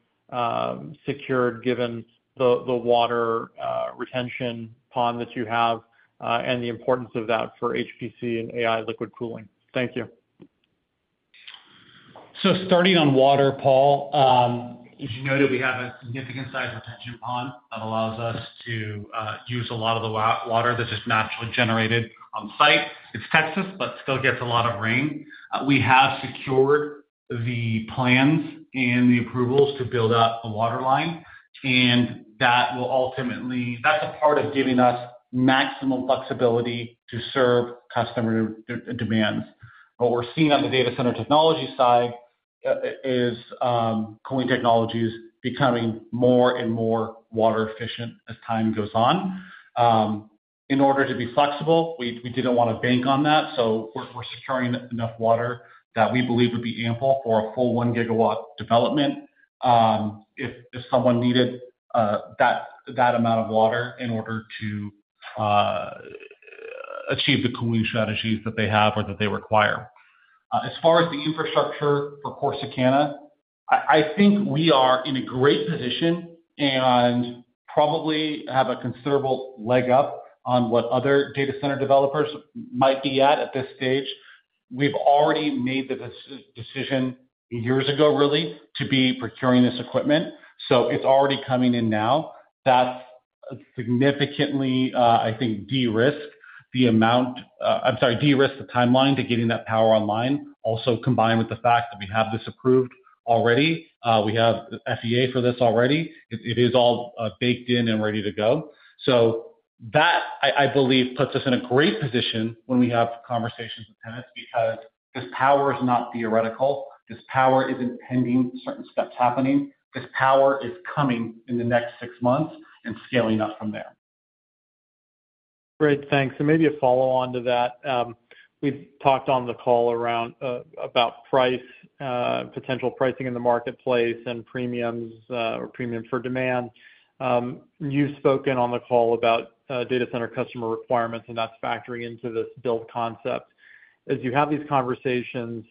secured, given the water retention pond that you have and the importance of that for HPC and AI liquid cooling. Thank you. Starting on water, Paul, as you noted, we have a significant size retention pond that allows us to use a lot of the water that's just naturally generated on site. It's Texas, but still gets a lot of rain. We have secured the plans and the approvals to build out a waterline, and that will ultimately, that's a part of giving us maximum flexibility to serve customer demands. What we're seeing on the data center technology side is cooling technologies becoming more and more water efficient as time goes on. In order to be flexible, we didn't want to bank on that. We're securing enough water that we believe would be ample for a full 1 GW development if someone needed that amount of water in order to achieve the cooling strategies that they have or that they require. As far as the infrastructure for Corsicana, I think we are in a great position and probably have a considerable leg up on what other data center developers might be at at this stage. We've already made the decision years ago, really, to be procuring this equipment. It's already coming in now. That significantly, I think, de-risked the timeline to getting that power online, also combined with the fact that we have this approved already. We have FEA for this already. It is all baked in and ready to go. That, I believe, puts us in a great position when we have conversations with tenants because this power is not theoretical. This power isn't pending certain steps happening. This power is coming in the next six months and scaling up from there. Great, thanks. Maybe a follow-on to that. We've talked on the call around price, potential pricing in the marketplace, and premiums or premium for demand. You've spoken on the call about data center customer requirements, and that's factoring into this build concept. As you have these conversations,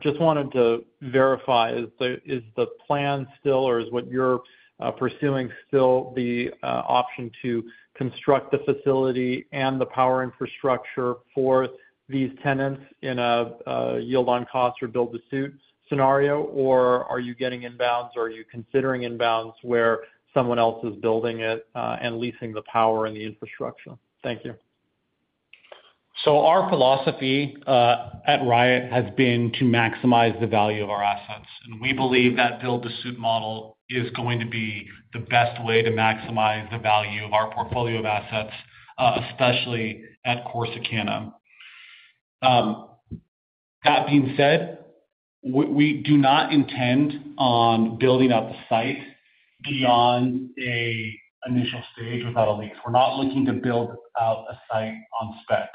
just wanted to verify, is the plan still or is what you're pursuing still the option to construct the facility and the power infrastructure for these tenants in a yield on cost or build-to-suit scenario, or are you getting inbounds or are you considering inbounds where someone else is building it and leasing the power and the infrastructure? Thank you. Our philosophy at Riot has been to maximize the value of our assets. We believe that build-to-suit model is going to be the best way to maximize the value of our portfolio of assets, especially at Corsicana. That being said, we do not intend on building out the site beyond an initial stage without a lease. We're not looking to build out a site on spec.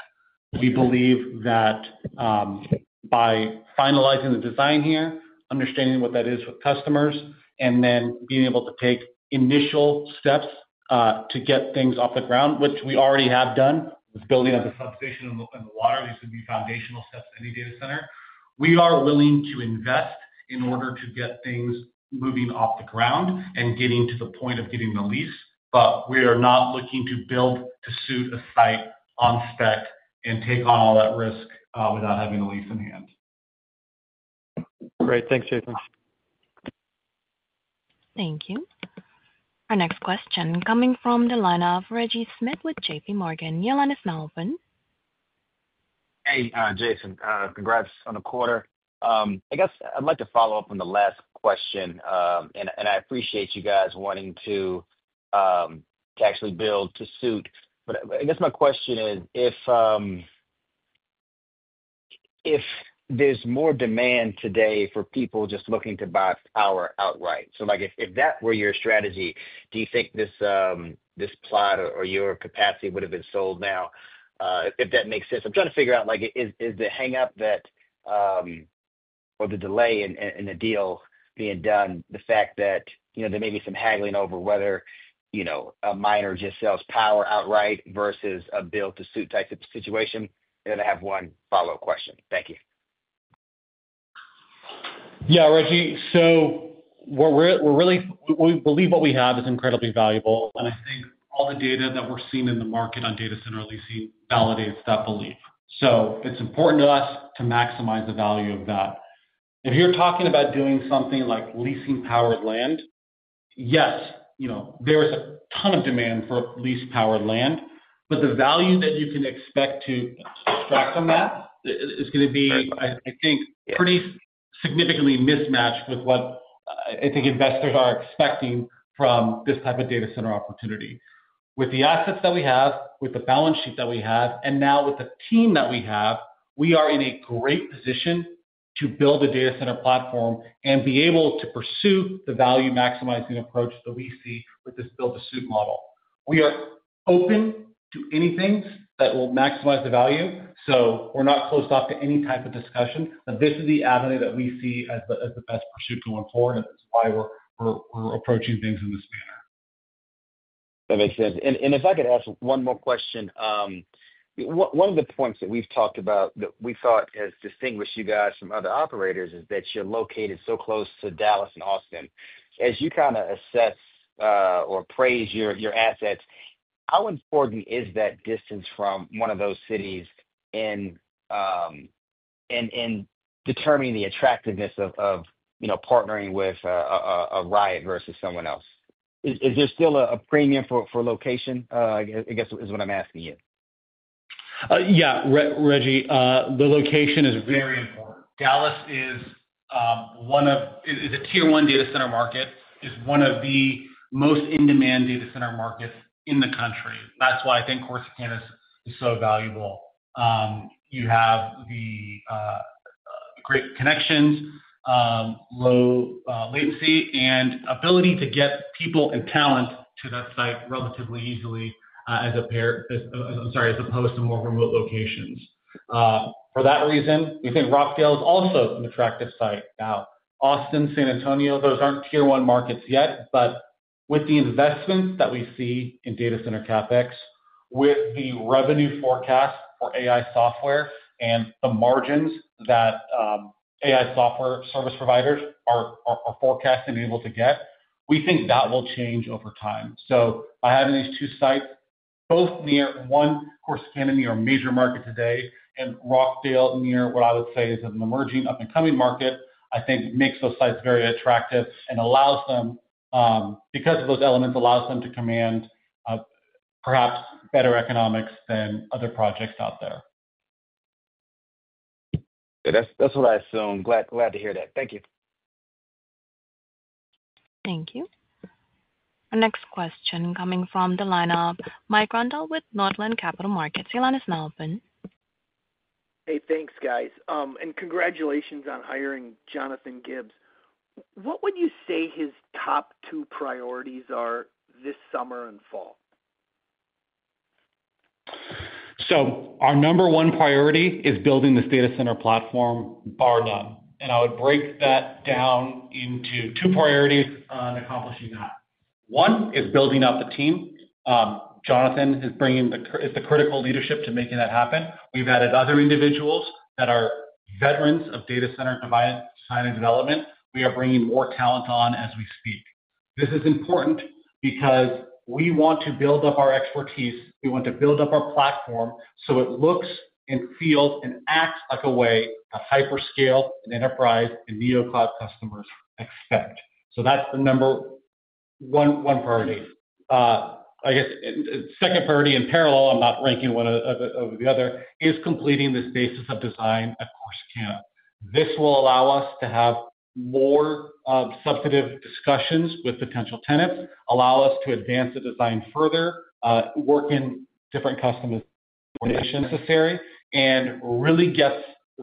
We believe that by finalizing the design here, understanding what that is with customers, and then being able to take initial steps to get things off the ground, which we already have done with building up the substation and the water, these would be foundational steps to any data center. We are willing to invest in order to get things moving off the ground and getting to the point of getting the lease, but we are not looking to build-to-suit a site on spec and take on all that risk without having a lease in hand. Great. Thanks, Jason. Thank you. Our next question coming from the line of Reggie Smith with JPMorgan. Your line is now open. Hey, Jason. Congrats on the quarter. I guess I'd like to follow up on the last question, and I appreciate you guys wanting to actually build-to-suit. I guess my question is, if there's more demand today for people just looking to buy power outright, so if that were your strategy, do you think this plot or your capacity would have been sold now, if that makes sense? I'm trying to figure out, is the hang-up or the delay in a deal being done the fact that there may be some haggling over whether a miner just sells power outright versus a build-to-suit type of situation? I have one follow-up question. Thank you. Reggie, we believe what we have is incredibly valuable, and I think all the data that we're seeing in the market on data center leasing validates that belief. It's important to us to maximize the value of that. If you're talking about doing something like leasing powered land, yes, there is a ton of demand for lease-powered land, but the value that you can expect to extract from that is going to be, I think, pretty significantly mismatched with what I think investors are expecting from this type of data center opportunity. With the assets that we have, with the balance sheet that we have, and now with the team that we have, we are in a great position to build a data center platform and be able to pursue the value maximizing approach that we see with this build-to-suit model. We are open to anything that will maximize the value. We're not closed off to any type of discussion, but this is the avenue that we see as the best pursuit going forward, and this is why we're approaching things in this manner. That makes sense. If I could ask one more question, one of the points that we've talked about that we thought has distinguished you guys from other operators is that you're located so close to Dallas and Austin. As you kind of assess or appraise your assets, how important is that distance from one of those cities in determining the attractiveness of partnering with a Riot versus someone else? Is there still a premium for location, I guess, is what I'm asking you? Yeah, Reggie. The location is very important. Dallas is a tier one data center market, is one of the most in-demand data center markets in the country. That's why I think Corsicana is so valuable. You have the great connections, low latency, and ability to get people and talent to that site relatively easily, as opposed to more remote locations. For that reason, we think Rockdale is also an attractive site now. Austin, San Antonio, those aren't tier one markets yet, but with the investments that we see in data center CapEx, with the revenue forecast for AI software and the margins that AI software service providers are forecasting and able to get, we think that will change over time. By having these two sites, both near one, Corsicana near a major market today, and Rockdale near what I would say is an emerging up-and-coming market, I think makes those sites very attractive and allows them, because of those elements, to command perhaps better economics than other projects out there. That's what I assume. Glad to hear that. Thank you. Thank you. Our next question coming from the line of Mike Grondahl with Northland Capital. Your line is now open. Hey, thanks, guys. Congratulations on hiring Jonathan Gibbs. What would you say his top two priorities are this summer and fall? Our number one priority is building this data center platform, bar none. I would break that down into two priorities on accomplishing that. One is building up the team. Jonathan is bringing the critical leadership to making that happen. We've added other individuals that are veterans of data center design and development. We are bringing more talent on as we speak. This is important because we want to build up our expertise. We want to build up our platform so it looks and feels and acts like a way that hyperscale and enterprise and neocloud customers expect. That's number One priority, I guess second priority in parallel—I'm not ranking one over the other—is completing this basis of design. This will allow us to have more substantive discussions with potential tenants, allow us to advance the design further, work in different customers' coordination necessary, and really get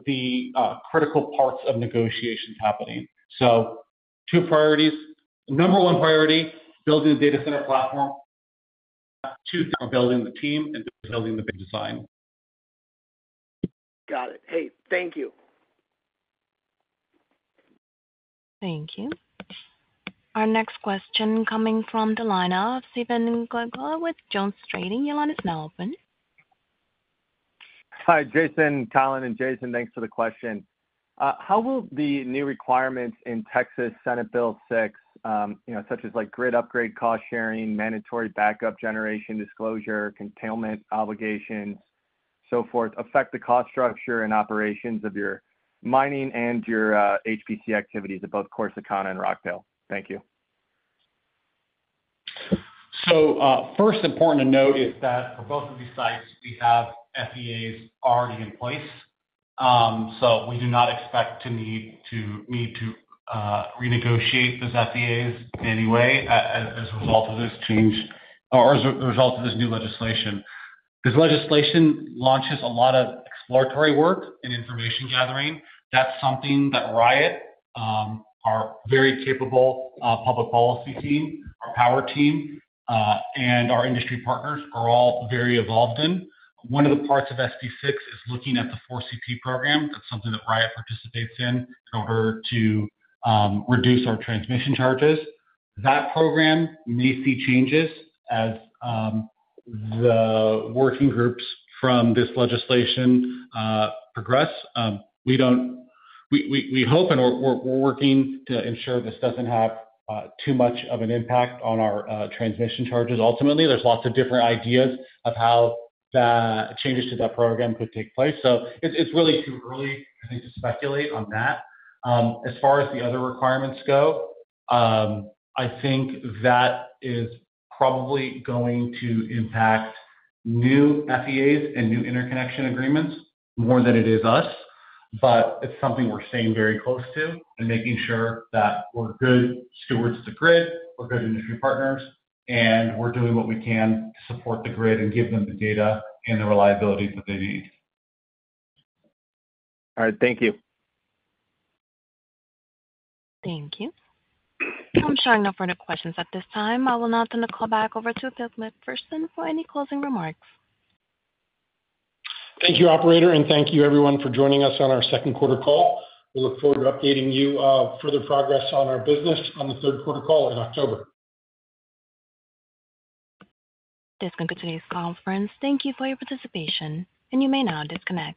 the critical parts of negotiations happening. Two priorities: number one priority, building the data center platform; two, building the team and building the big design. Got it. Hey, thank you. Thank you. Our next question coming from the line of Stephen Glagola with Jones Trading. Your line is now open. Hi, Jason. Colin and Jason, thanks for the question. How will the new requirements in Texas Senate Bill 6, you know, such as grid upgrade, cost sharing, mandatory backup generation, disclosure, containment obligations, and so forth, affect the cost structure and operations of your mining and your HPC activities of both Corsicana and Rockdale? Thank you. First, important to note is that for both of these sites, we have FEAs already in place. We do not expect to need to renegotiate those FEAs in any way as a result of this change or as a result of this new legislation. This legislation launches a lot of exploratory work and information gathering. That's something that Riot, our very capable public policy team, our power team, and our industry partners are all very involved in. One of the parts of SB6 is looking at the 4CT program. That's something that Riot participates in in order to reduce our transmission charges. That program may see changes as the working groups from this legislation progress. We hope and we're working to ensure this doesn't have too much of an impact on our transmission charges. Ultimately, there's lots of different ideas of how the changes to that program could take place. It's really too early, I think, to speculate on that. As far as the other requirements go, I think that is probably going to impact new FEAs and new interconnection agreements more than it is us. It's something we're staying very close to and making sure that we're good stewards of the grid, we're good industry partners, and we're doing what we can to support the grid and give them the data and the reliability that they need. All right, thank you. Thank you. I'm showing no further questions at this time. I will now turn the call back over to Phil McPherson for any closing remarks. Thank you, operator, and thank you, everyone, for joining us on our second quarter call. We look forward to updating you on further progress on our business on the third quarter call in October. This concludes today's conference. Thank you for your participation. You may now disconnect.